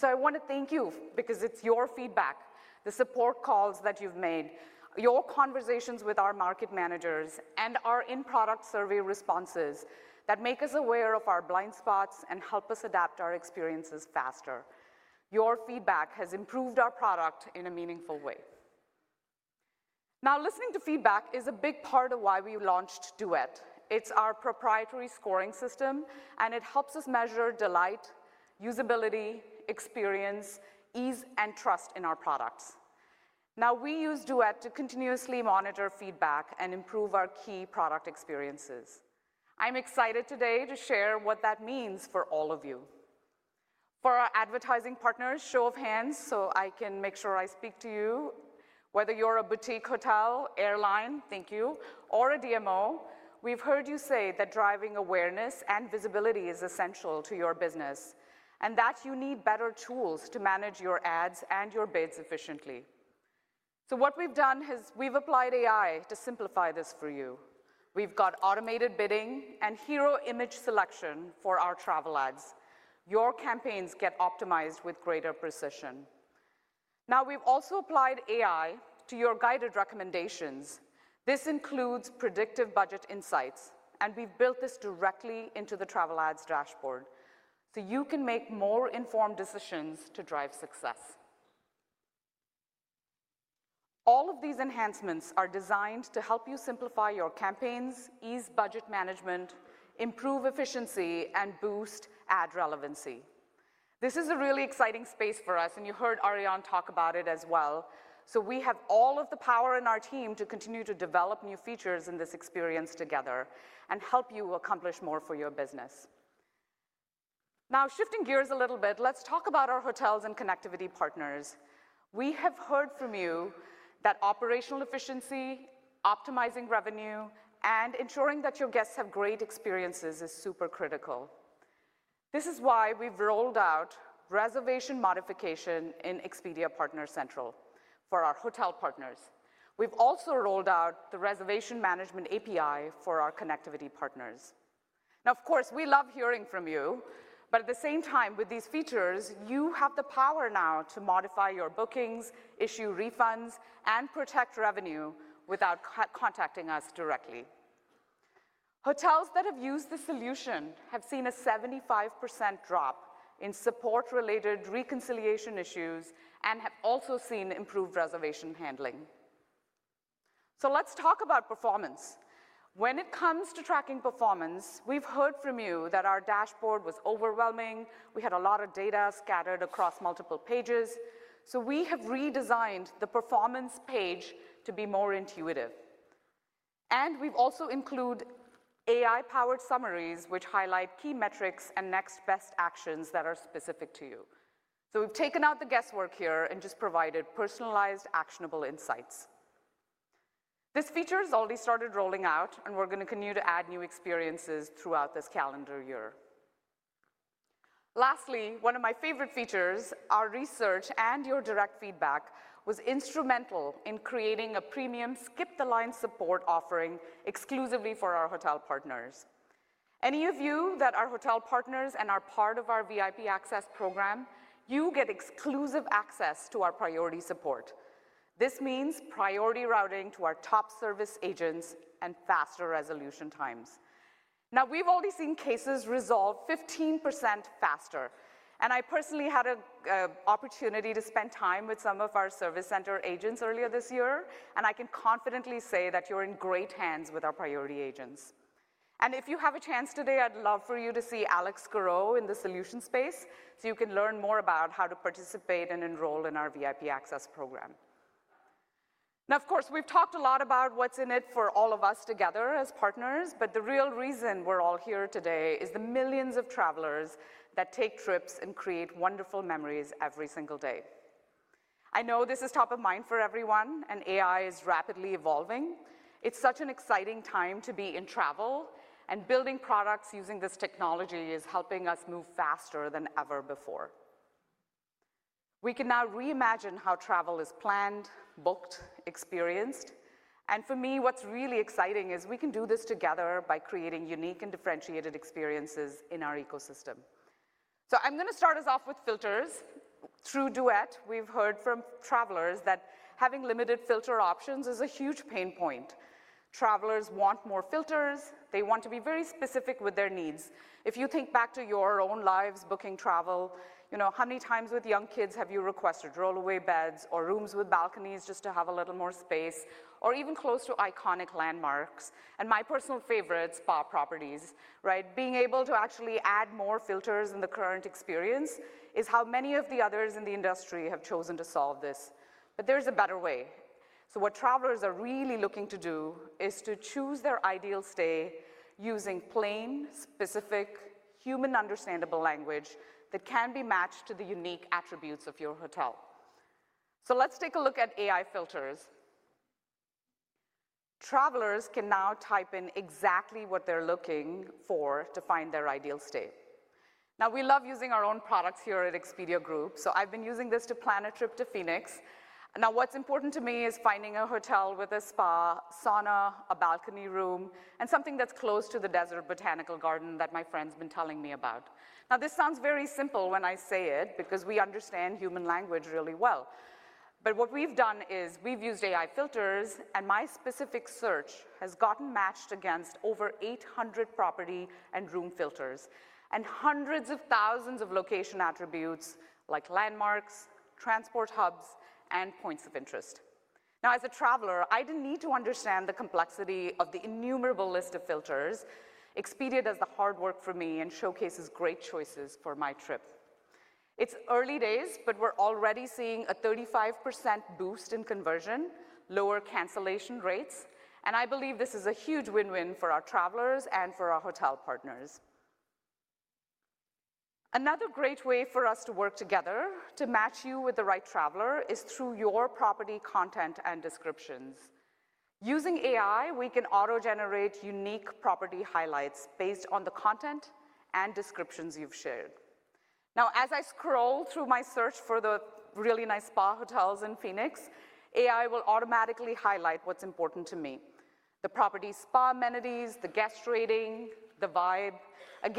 I want to thank you because it's your feedback, the support calls that you've made, your conversations with our market managers, and our in-product survey responses that make us aware of our blind spots and help us adapt our experiences faster. Your feedback has improved our product in a meaningful way. Listening to feedback is a big part of why we launched Duet. It's our proprietary scoring system. It helps us measure delight, usability, experience, ease, and trust in our products. We use Duet to continuously monitor feedback and improve our key product experiences. I'm excited today to share what that means for all of you. For our advertising partners, show of hands so I can make sure I speak to you. Whether you're a boutique hotel, airline, thank you, or a DMO, we've heard you say that driving awareness and visibility is essential to your business and that you need better tools to manage your ads and your bids efficiently. What we've done is we've applied AI to simplify this for you. We've got automated bidding and hero image selection for our travel ads. Your campaigns get optimized with greater precision. We've also applied AI to your guided recommendations. This includes predictive budget insights. We've built this directly into the travel ads dashboard so you can make more informed decisions to drive success. All of these enhancements are designed to help you simplify your campaigns, ease budget management, improve efficiency, and boost ad relevancy. This is a really exciting space for us. You heard Ariane talk about it as well. We have all of the power in our team to continue to develop new features in this experience together and help you accomplish more for your business. Now, shifting gears a little bit, let's talk about our hotels and connectivity partners. We have heard from you that operational efficiency, optimizing revenue, and ensuring that your guests have great experiences is super critical. This is why we've rolled out reservation modification in Expedia Partner Central for our hotel partners. We've also rolled out the reservation management API for our connectivity partners. Now, of course, we love hearing from you. At the same time, with these features, you have the power now to modify your bookings, issue refunds, and protect revenue without contacting us directly. Hotels that have used the solution have seen a 75% drop in support-related reconciliation issues and have also seen improved reservation handling. Let's talk about performance. When it comes to tracking performance, we've heard from you that our dashboard was overwhelming. We had a lot of data scattered across multiple pages. We have redesigned the performance page to be more intuitive. We've also included AI-powered summaries, which highlight key metrics and next best actions that are specific to you. We've taken out the guesswork here and just provided personalized, actionable insights. This feature has already started rolling out. We're going to continue to add new experiences throughout this calendar year. Lastly, one of my favorite features, our research and your direct feedback, was instrumental in creating a premium skip-the-line support offering exclusively for our hotel partners. Any of you that are hotel partners and are part of our VIP Access program, you get exclusive access to our priority support. This means priority routing to our top service agents and faster resolution times. Now, we've already seen cases resolve 15% faster. I personally had an opportunity to spend time with some of our service center agents earlier this year. I can confidently say that you're in great hands with our priority agents. If you have a chance today, I'd love for you to see Alex Garro in the solution space so you can learn more about how to participate and enroll in our VIP Access program. Of course, we've talked a lot about what's in it for all of us together as partners. The real reason we're all here today is the millions of travelers that take trips and create wonderful memories every single day. I know this is top of mind for everyone. AI is rapidly evolving. It's such an exciting time to be in travel. Building products using this technology is helping us move faster than ever before. We can now reimagine how travel is planned, booked, experienced. For me, what's really exciting is we can do this together by creating unique and differentiated experiences in our ecosystem. I'm going to start us off with filters. Through Duet, we've heard from travelers that having limited filter options is a huge pain point. Travelers want more filters. They want to be very specific with their needs. If you think back to your own lives booking travel, how many times with young kids have you requested rollaway beds or rooms with balconies just to have a little more space or even close to iconic landmarks? My personal favorite's Spa Properties, right? Being able to actually add more filters in the current experience is how many of the others in the industry have chosen to solve this. There is a better way. What travelers are really looking to do is to choose their ideal stay using plain, specific, human-understandable language that can be matched to the unique attributes of your hotel. Let's take a look at AI filters. Travelers can now type in exactly what they're looking for to find their ideal stay. We love using our own products here at Expedia Group. I've been using this to plan a trip to Phoenix. What's important to me is finding a hotel with a spa, sauna, a balcony room, and something that's close to the Desert Botanical Garden that my friend's been telling me about. Now, this sounds very simple when I say it because we understand human language really well. What we've done is we've used AI filters. My specific search has gotten matched against over 800 property and room filters and hundreds of thousands of location attributes like landmarks, transport hubs, and points of interest. Now, as a traveler, I didn't need to understand the complexity of the innumerable list of filters. Expedia does the hard work for me and showcases great choices for my trip. It's early days, but we're already seeing a 35% boost in conversion, lower cancellation rates. I believe this is a huge win-win for our travelers and for our hotel partners. Another great way for us to work together to match you with the right traveler is through your property content and descriptions. Using AI, we can auto-generate unique property highlights based on the content and descriptions you've shared. Now, as I scroll through my search for the really nice spa hotels in Phoenix, AI will automatically highlight what's important to me: the property spa amenities, the guest rating, the vibe. It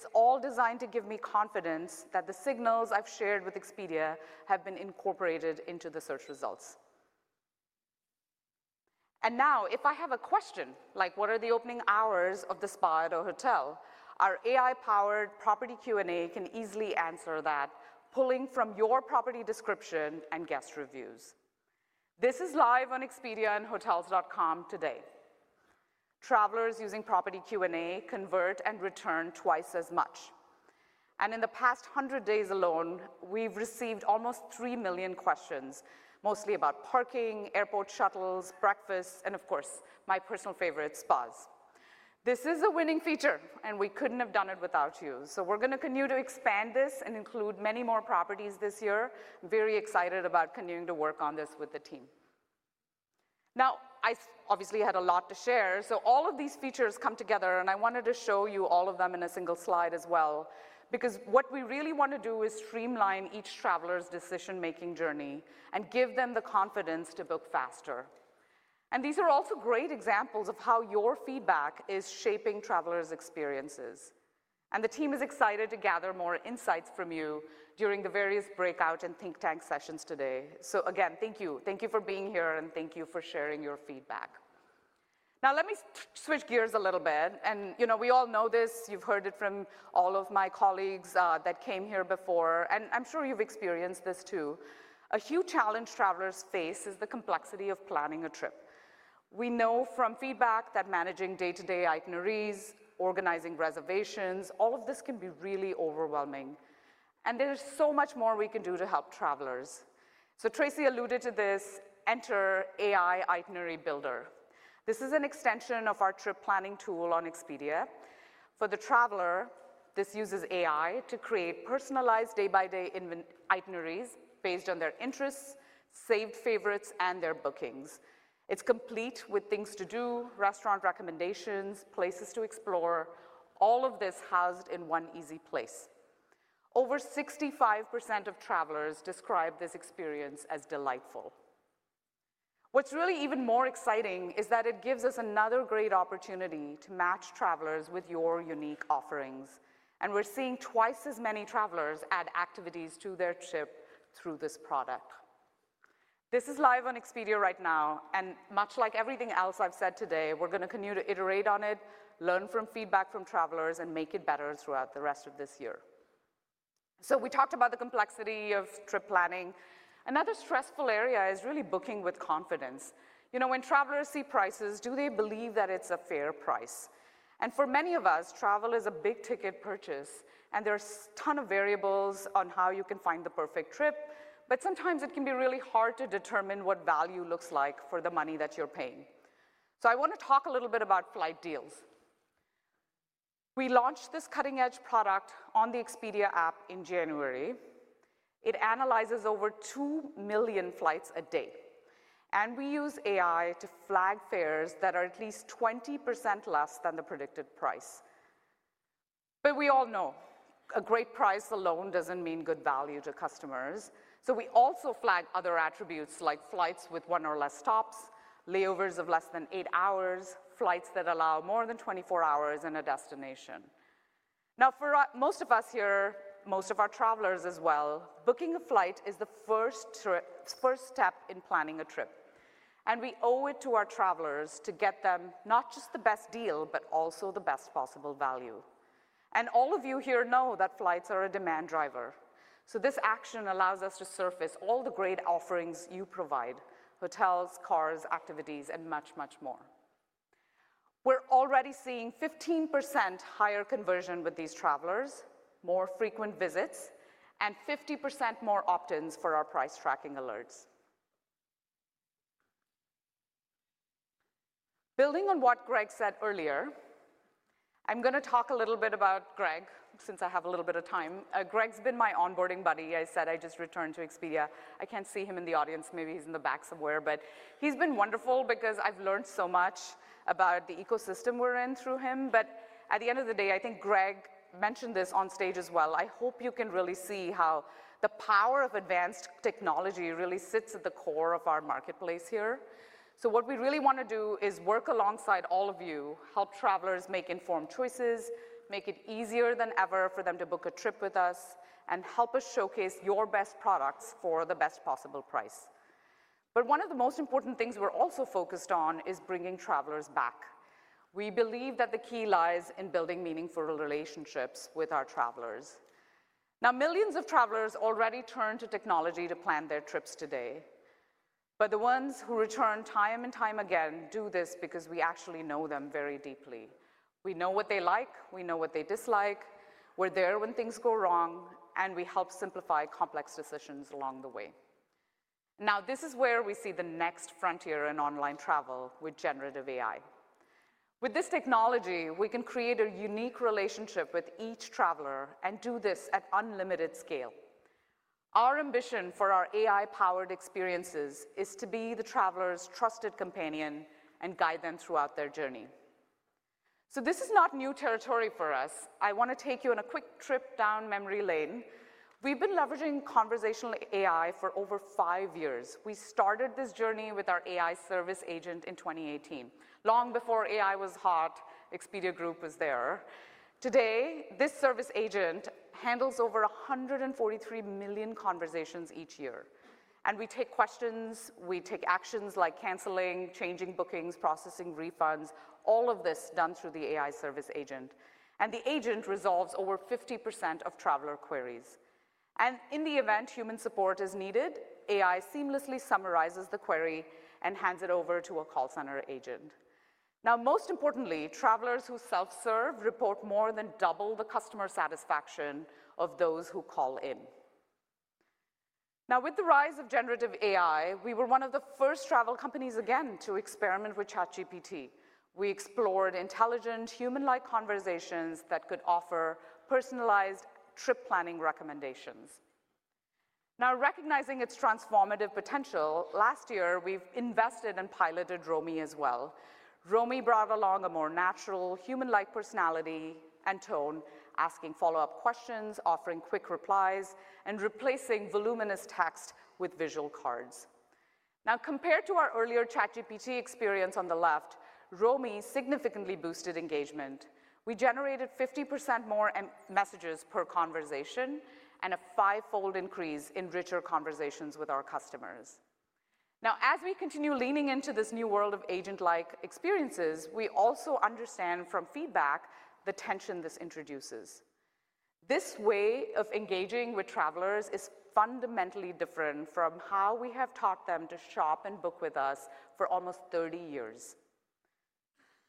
is all designed to give me confidence that the signals I've shared with Expedia have been incorporated into the search results. If I have a question like, what are the opening hours of the spa at a hotel, our AI-powered property Q&A can easily answer that, pulling from your property description and guest reviews. This is live on expediaandhotels.com today. Travelers using property Q&A convert and return twice as much. In the past 100 days alone, we've received almost 3 million questions, mostly about parking, airport shuttles, breakfast, and of course, my personal favorite, spas. This is a winning feature. We could not have done it without you. We are going to continue to expand this and include many more properties this year. I am very excited about continuing to work on this with the team. I obviously had a lot to share. All of these features come together. I wanted to show you all of them in a single slide as well because what we really want to do is streamline each traveler's decision-making journey and give them the confidence to book faster. These are also great examples of how your feedback is shaping travelers' experiences. The team is excited to gather more insights from you during the various breakout and think tank sessions today. Thank you. Thank you for being here. Thank you for sharing your feedback. Now, let me switch gears a little bit. We all know this. You've heard it from all of my colleagues that came here before. I'm sure you've experienced this too. A huge challenge travelers face is the complexity of planning a trip. We know from feedback that managing day-to-day itineraries, organizing reservations, all of this can be really overwhelming. There is so much more we can do to help travelers. Tracy alluded to this. Enter AI Itinerary Builder. This is an extension of our trip planning tool on Expedia. For the traveler, this uses AI to create personalized day-by-day itineraries based on their interests, saved favorites, and their bookings. It's complete with things to do, restaurant recommendations, places to explore, all of this housed in one easy place. Over 65% of travelers describe this experience as delightful. What's really even more exciting is that it gives us another great opportunity to match travelers with your unique offerings. We're seeing twice as many travelers add activities to their trip through this product. This is live on Expedia right now. Much like everything else I've said today, we're going to continue to iterate on it, learn from feedback from travelers, and make it better throughout the rest of this year. We talked about the complexity of trip planning. Another stressful area is really booking with confidence. When travelers see prices, do they believe that it's a fair price? For many of us, travel is a big-ticket purchase. There are a ton of variables on how you can find the perfect trip. Sometimes it can be really hard to determine what value looks like for the money that you're paying. I want to talk a little bit about flight deals. We launched this cutting-edge product on the Expedia app in January. It analyzes over 2 million flights a day. We use AI to flag fares that are at least 20% less than the predicted price. We all know a great price alone does not mean good value to customers. We also flag other attributes like flights with one or less stops, layovers of less than eight hours, flights that allow more than 24 hours in a destination. For most of us here, most of our travelers as well, booking a flight is the first step in planning a trip. We owe it to our travelers to get them not just the best deal, but also the best possible value. All of you here know that flights are a demand driver. This action allows us to surface all the great offerings you provide: hotels, cars, activities, and much, much more. We're already seeing 15% higher conversion with these travelers, more frequent visits, and 50% more opt-ins for our price tracking alerts. Building on what Greg said earlier, I'm going to talk a little bit about Greg since I have a little bit of time. Greg's been my onboarding buddy. I said I just returned to Expedia. I can't see him in the audience. Maybe he's in the back somewhere. He's been wonderful because I've learned so much about the ecosystem we're in through him. At the end of the day, I think Greg mentioned this on stage as well. I hope you can really see how the power of advanced technology really sits at the core of our marketplace here. What we really want to do is work alongside all of you, help travelers make informed choices, make it easier than ever for them to book a trip with us, and help us showcase your best products for the best possible price. One of the most important things we're also focused on is bringing travelers back. We believe that the key lies in building meaningful relationships with our travelers. Now, millions of travelers already turn to technology to plan their trips today. The ones who return time and time again do this because we actually know them very deeply. We know what they like. We know what they dislike. We're there when things go wrong. We help simplify complex decisions along the way. This is where we see the next frontier in online travel with generative AI. With this technology, we can create a unique relationship with each traveler and do this at unlimited scale. Our ambition for our AI-powered experiences is to be the traveler's trusted companion and guide them throughout their journey. This is not new territory for us. I want to take you on a quick trip down memory lane. We have been leveraging conversational AI for over five years. We started this journey with our AI service agent in 2018, long before AI was hot, Expedia Group was there. Today, this service agent handles over 143 million conversations each year. We take questions. We take actions like canceling, changing bookings, processing refunds, all of this done through the AI service agent. The agent resolves over 50% of traveler queries. In the event human support is needed, AI seamlessly summarizes the query and hands it over to a call center agent. Now, most importantly, travelers who self-serve report more than double the customer satisfaction of those who call in. Now, with the rise of generative AI, we were one of the first travel companies again to experiment with ChatGPT. We explored intelligent, human-like conversations that could offer personalized trip planning recommendations. Now, recognizing its transformative potential, last year, we invested and piloted Romie as well. Romie brought along a more natural, human-like personality and tone, asking follow-up questions, offering quick replies, and replacing voluminous text with visual cards. Now, compared to our earlier ChatGPT experience on the left, Romie significantly boosted engagement. We generated 50% more messages per conversation and a fivefold increase in richer conversations with our customers. Now, as we continue leaning into this new world of agent-like experiences, we also understand from feedback the tension this introduces. This way of engaging with travelers is fundamentally different from how we have taught them to shop and book with us for almost 30 years.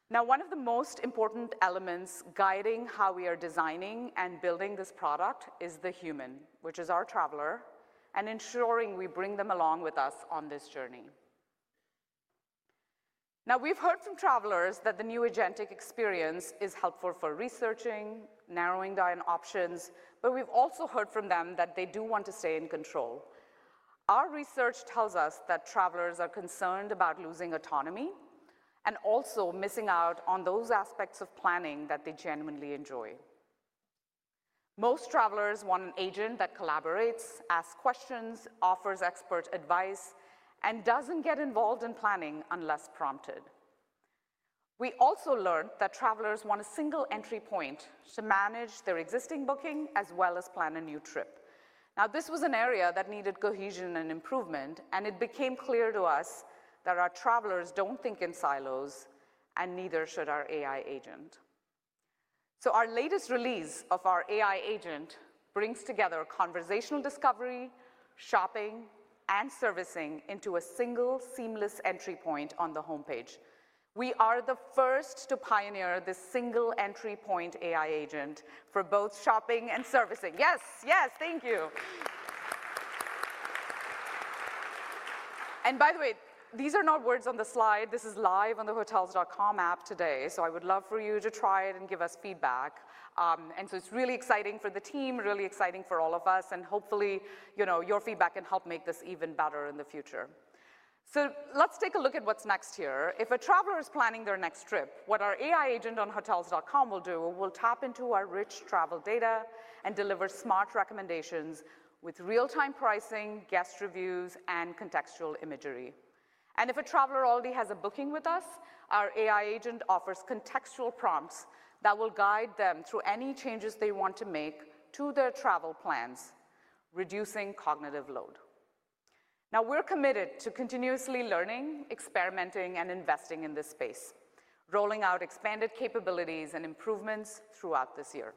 Now, one of the most important elements guiding how we are designing and building this product is the human, which is our traveler, and ensuring we bring them along with us on this journey. Now, we've heard from travelers that the new agentic experience is helpful for researching, narrowing down options. We've also heard from them that they do want to stay in control. Our research tells us that travelers are concerned about losing autonomy and also missing out on those aspects of planning that they genuinely enjoy. Most travelers want an agent that collaborates, asks questions, offers expert advice, and doesn't get involved in planning unless prompted. We also learned that travelers want a single entry point to manage their existing booking as well as plan a new trip. This was an area that needed cohesion and improvement. It became clear to us that our travelers do not think in silos, and neither should our AI agent. Our latest release of our AI agent brings together conversational discovery, shopping, and servicing into a single, seamless entry point on the homepage. We are the first to pioneer this single entry point AI agent for both shopping and servicing. Yes, yes, thank you. By the way, these are not words on the slide. This is live on the Hotels.com app today. I would love for you to try it and give us feedback. It is really exciting for the team, really exciting for all of us. Hopefully, your feedback can help make this even better in the future. Let's take a look at what's next here. If a traveler is planning their next trip, what our AI agent on Hotels.com will do is tap into our rich travel data and deliver smart recommendations with real-time pricing, guest reviews, and contextual imagery. If a traveler already has a booking with us, our AI agent offers contextual prompts that will guide them through any changes they want to make to their travel plans, reducing cognitive load. We are committed to continuously learning, experimenting, and investing in this space, rolling out expanded capabilities and improvements throughout this year.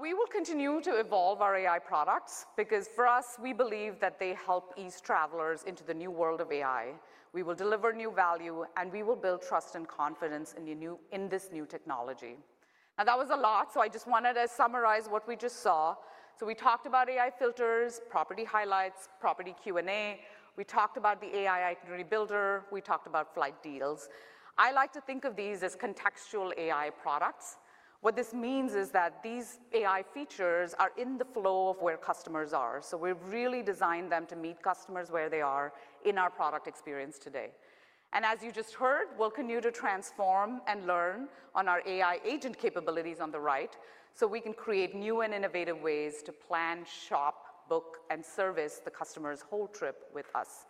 We will continue to evolve our AI products because for us, we believe that they help ease travelers into the new world of AI. We will deliver new value. We will build trust and confidence in this new technology. That was a lot. I just wanted to summarize what we just saw. We talked about AI filters, property highlights, property Q&A. We talked about the AI itinerary builder. We talked about flight deals. I like to think of these as contextual AI products. What this means is that these AI features are in the flow of where customers are. We have really designed them to meet customers where they are in our product experience today. As you just heard, we will continue to transform and learn on our AI agent capabilities on the right so we can create new and innovative ways to plan, shop, book, and service the customer's whole trip with us.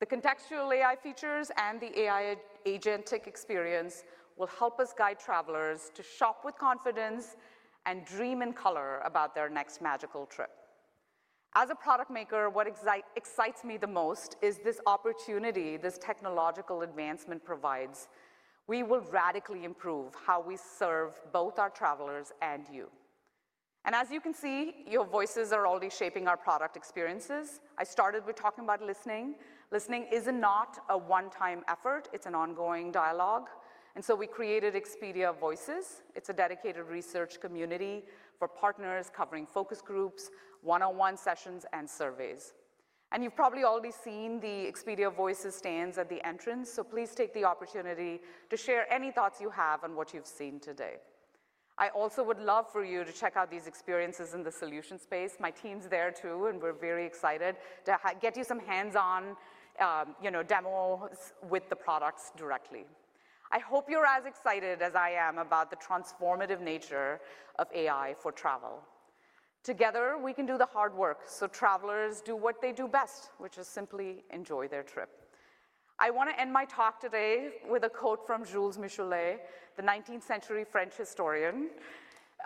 The contextual AI features and the AI agentic experience will help us guide travelers to shop with confidence and dream in color about their next magical trip. As a product maker, what excites me the most is this opportunity this technological advancement provides. We will radically improve how we serve both our travelers and you. As you can see, your voices are already shaping our product experiences. I started with talking about listening. Listening is not a one-time effort. It is an ongoing dialogue. We created Expedia Voices. It is a dedicated research community for partners covering focus groups, one-on-one sessions, and surveys. You have probably already seen the Expedia Voices stands at the entrance. Please take the opportunity to share any thoughts you have on what you have seen today. I also would love for you to check out these experiences in the solution space. My team's there too. We're very excited to get you some hands-on demos with the products directly. I hope you're as excited as I am about the transformative nature of AI for travel. Together, we can do the hard work so travelers do what they do best, which is simply enjoy their trip. I want to end my talk today with a quote from Jules Michelet, the 19th-century French historian,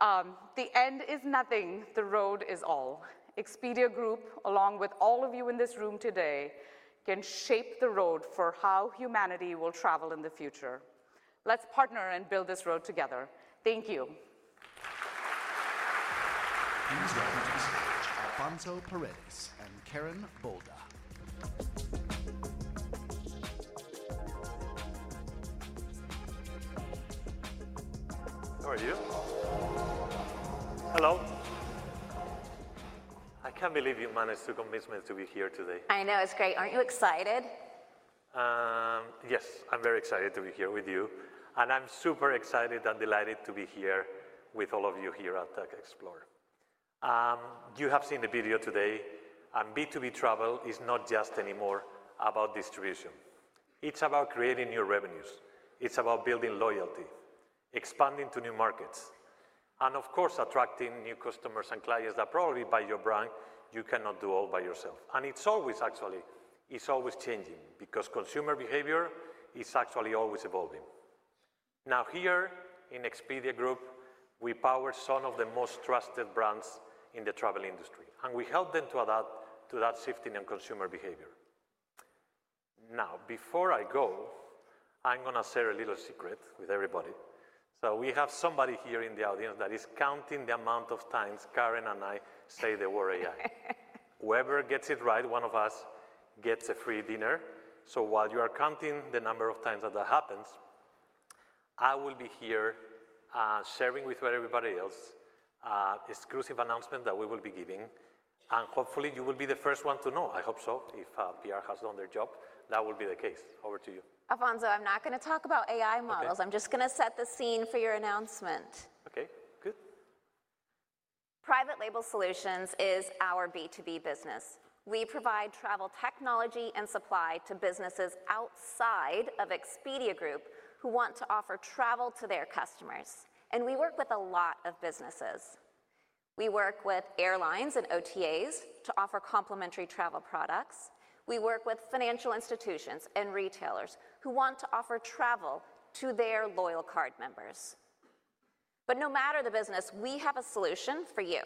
"The end is nothing. The road is all." Expedia Group, along with all of you in this room today, can shape the road for how humanity will travel in the future. Let's partner and build this road together. Thank you. Please welcome to the stage Alfonso Paredes and Karen Bolda. How are you? Hello. I can't believe you managed to convince me to be here today. I know. It's great. Aren't you excited? Yes, I'm very excited to be here with you. I'm super excited and delighted to be here with all of you here at Tech Explore. You have seen the video today. B2B travel is not just anymore about distribution. It's about creating new revenues. It's about building loyalty, expanding to new markets, and of course, attracting new customers and clients that probably by your brand you cannot do all by yourself. It's always, actually, it's always changing because consumer behavior is actually always evolving. Now, here in Expedia Group, we power some of the most trusted brands in the travel industry. We help them to adapt to that shifting in consumer behavior. Now, before I go, I'm going to share a little secret with everybody. We have somebody here in the audience that is counting the amount of times Karen and I say the word AI. Whoever gets it right, one of us gets a free dinner. While you are counting the number of times that that happens, I will be here sharing with everybody else an exclusive announcement that we will be giving. Hopefully, you will be the first one to know. I hope so, if PR has done their job. That will be the case. Over to you. Alfonso, I'm not going to talk about AI models. I'm just going to set the scene for your announcement. OK, good. Private label solutions is our B2B business. We provide travel technology and supply to businesses outside of Expedia Group who want to offer travel to their customers. We work with a lot of businesses. We work with airlines and OTAs to offer complementary travel products. We work with financial institutions and retailers who want to offer travel to their loyal card members. No matter the business, we have a solution for you.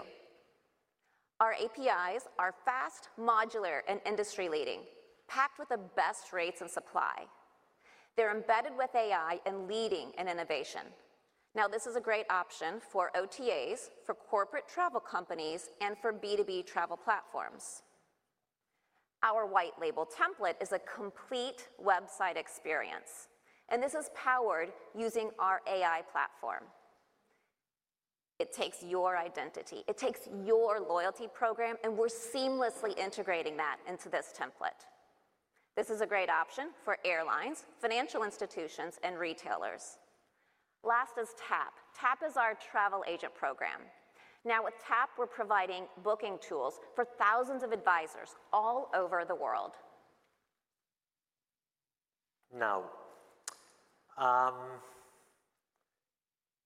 Our APIs are fast, modular, and industry-leading, packed with the best rates and supply. They're embedded with AI and leading in innovation. This is a great option for OTAs, for corporate travel companies, and for B2B travel platforms. Our white label template is a complete website experience. This is powered using our AI platform. It takes your identity. It takes your loyalty program. We're seamlessly integrating that into this template. This is a great option for airlines, financial institutions, and retailers. Last is TAP. TAP is our travel agent program. With TAP, we're providing booking tools for thousands of advisors all over the world. Now,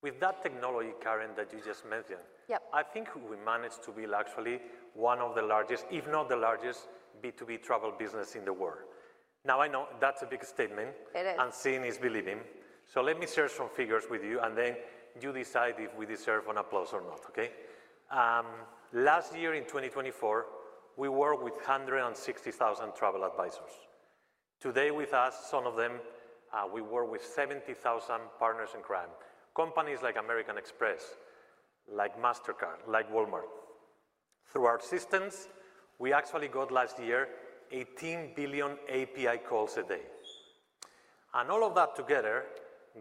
with that technology, Karen, that you just mentioned, I think we managed to build actually one of the largest, if not the largest, B2B travel business in the world. I know that's a big statement. It is. Seeing is believing. Let me share some figures with you. Then you decide if we deserve an applause or not, OK? Last year, in 2024, we worked with 160,000 travel advisors. Today, with us, some of them, we work with 70,000 partners in crime, companies like American Express, like Mastercard, like Walmart. Through our systems, we actually got last year 18 billion API calls a day. All of that together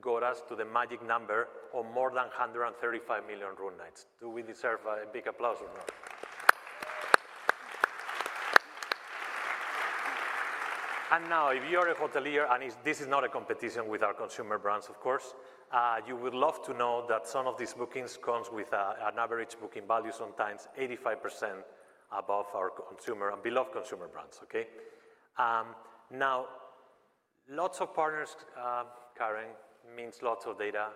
got us to the magic number of more than 135 million room nights. Do we deserve a big applause or not? Now, if you are a hotelier, and this is not a competition with our consumer brands, of course, you would love to know that some of these bookings come with an average booking value sometimes 85% above our consumer and below consumer brands, OK? Now, lots of partners, Karen, means lots of data.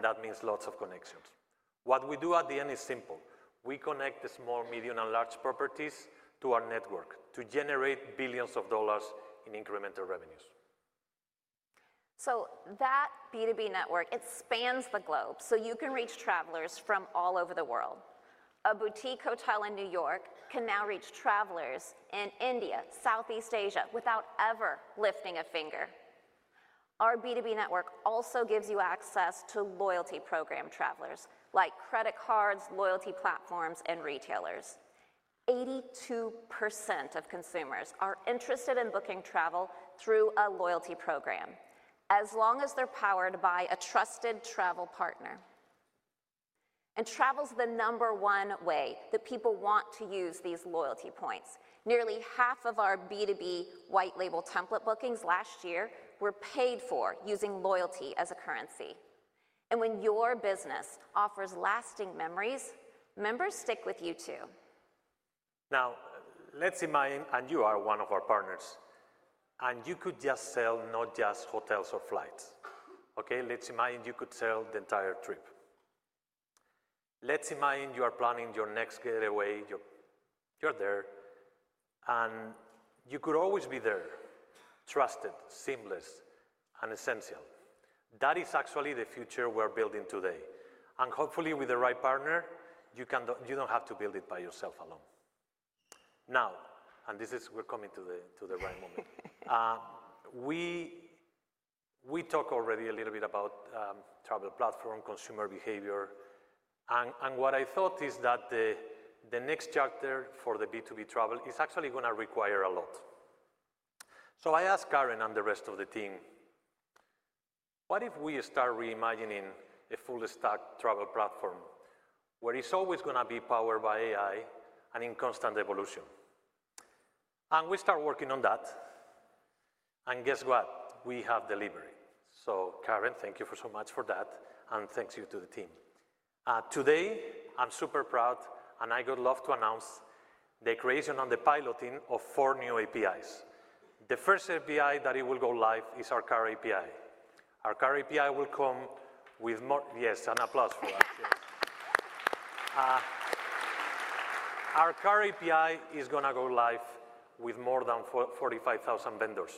That means lots of connections. What we do at the end is simple. We connect the small, medium, and large properties to our network to generate billions of dollars in incremental revenues. That B2B network spans the globe. You can reach travelers from all over the world. A boutique hotel in New York can now reach travelers in India, Southeast Asia without ever lifting a finger. Our B2B network also gives you access to loyalty program travelers, like credit cards, loyalty platforms, and retailers. 82% of consumers are interested in booking travel through a loyalty program as long as they're powered by a trusted travel partner. Travel is the number one way that people want to use these loyalty points. Nearly half of our B2B white label template bookings last year were paid for using loyalty as a currency. When your business offers lasting memories, members stick with you too. Now, let's imagine you are one of our partners. You could just sell not just hotels or flights, OK? Let's imagine you could sell the entire trip. Let's imagine you are planning your next getaway. You're there. You could always be there, trusted, seamless, and essential. That is actually the future we're building today. Hopefully, with the right partner, you don't have to build it by yourself alone. Now, this is we're coming to the right moment. We talked already a little bit about travel platform, consumer behavior. What I thought is that the next chapter for the B2B travel is actually going to require a lot. I asked Karen and the rest of the team, what if we start reimagining a full-stack travel platform where it's always going to be powered by AI and in constant evolution? We start working on that. Guess what? We have delivery. Karen, thank you so much for that. Thanks to you to the team. Today, I'm super proud. I would love to announce the creation and the piloting of four new APIs. The first API that will go live is our Car API. Our Car API will come with more yes, an applause for that. Our Car API is going to go live with more than 45,000 vendors,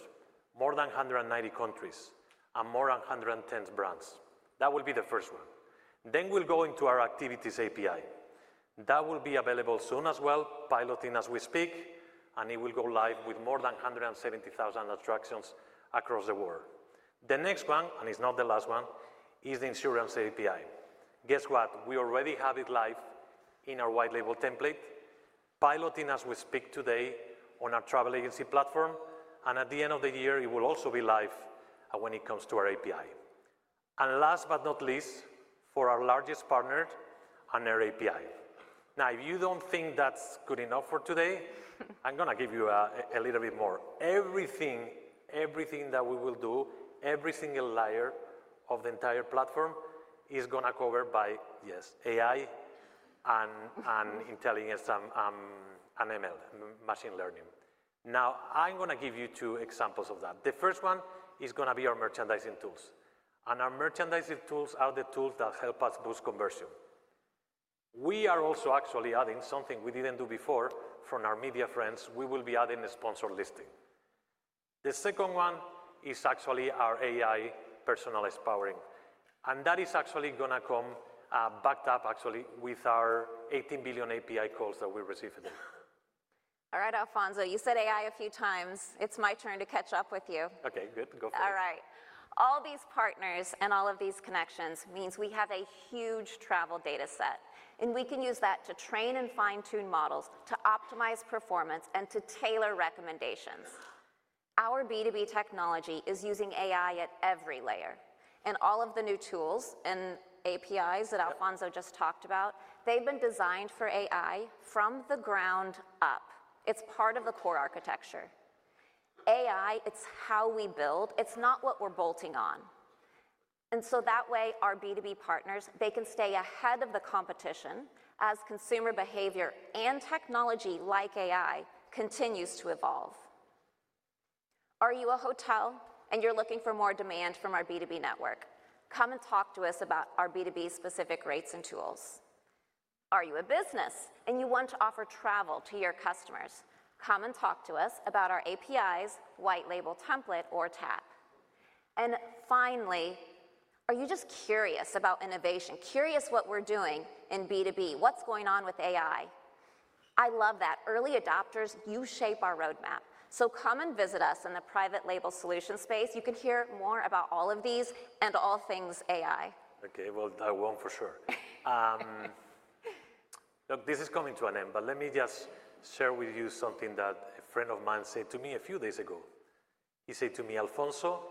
more than 190 countries, and more than 110 brands. That will be the first one. We will go into our Activities API. That will be available soon as well, piloting as we speak. It will go live with more than 170,000 attractions across the world. The next one, and it is not the last one, is the Insurance API. Guess what? We already have it live in our white label template, piloting as we speak today on our travel agency platform. At the end of the year, it will also be live when it comes to our API. Last but not least, for our largest partner, an Air API. Now, if you do not think that is good enough for today, I am going to give you a little bit more. Everything, everything that we will do, every single layer of the entire platform is going to be covered by, yes, AI and intelligence and ML, machine learning. Now, I'm going to give you two examples of that. The first one is going to be our merchandising tools. Our merchandising tools are the tools that help us boost conversion. We are also actually adding something we didn't do before from our media friends. We will be adding a sponsor listing. The second one is actually our AI personalized powering. That is actually going to come backed up, actually, with our 18 billion API calls that we receive a day. All right, Alfonso, you said AI a few times. It's my turn to catch up with you. OK, good. Go for it. All these partners and all of these connections means we have a huge travel data set. We can use that to train and fine-tune models, to optimize performance, and to tailor recommendations. Our B2B technology is using AI at every layer. All of the new tools and APIs that Alfonso just talked about, they've been designed for AI from the ground up. It's part of the core architecture. AI, it's how we build. It's not what we're bolting on. That way, our B2B partners, they can stay ahead of the competition as consumer behavior and technology like AI continues to evolve. Are you a hotel and you're looking for more demand from our B2B network? Come and talk to us about our B2B-specific rates and tools. Are you a business and you want to offer travel to your customers? Come and talk to us about our APIs, white label template, or TAP. Finally, are you just curious about innovation, curious what we're doing in B2B? What's going on with AI? I love that. Early adopters, you shape our roadmap. Come and visit us in the private label solution space. You can hear more about all of these and all things AI. OK, that won't for sure. Look, this is coming to an end. Let me just share with you something that a friend of mine said to me a few days ago. He said to me, "Alfonso,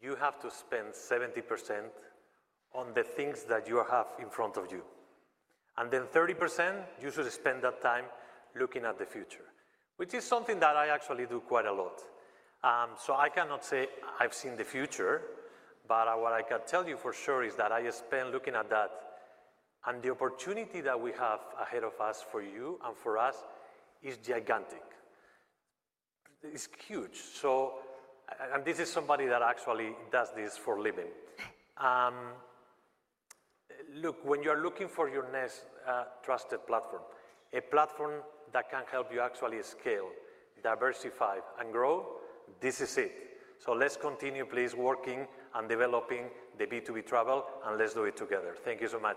you have to spend 70% on the things that you have in front of you. And then 30%, you should spend that time looking at the future," which is something that I actually do quite a lot. I cannot say I've seen the future. What I can tell you for sure is that I spend looking at that. The opportunity that we have ahead of us for you and for us is gigantic. It's huge. This is somebody that actually does this for a living. Look, when you are looking for your next trusted platform, a platform that can help you actually scale, diversify, and grow, this is it. Let's continue, please, working and developing the B2B travel. Let's do it together. Thank you so much.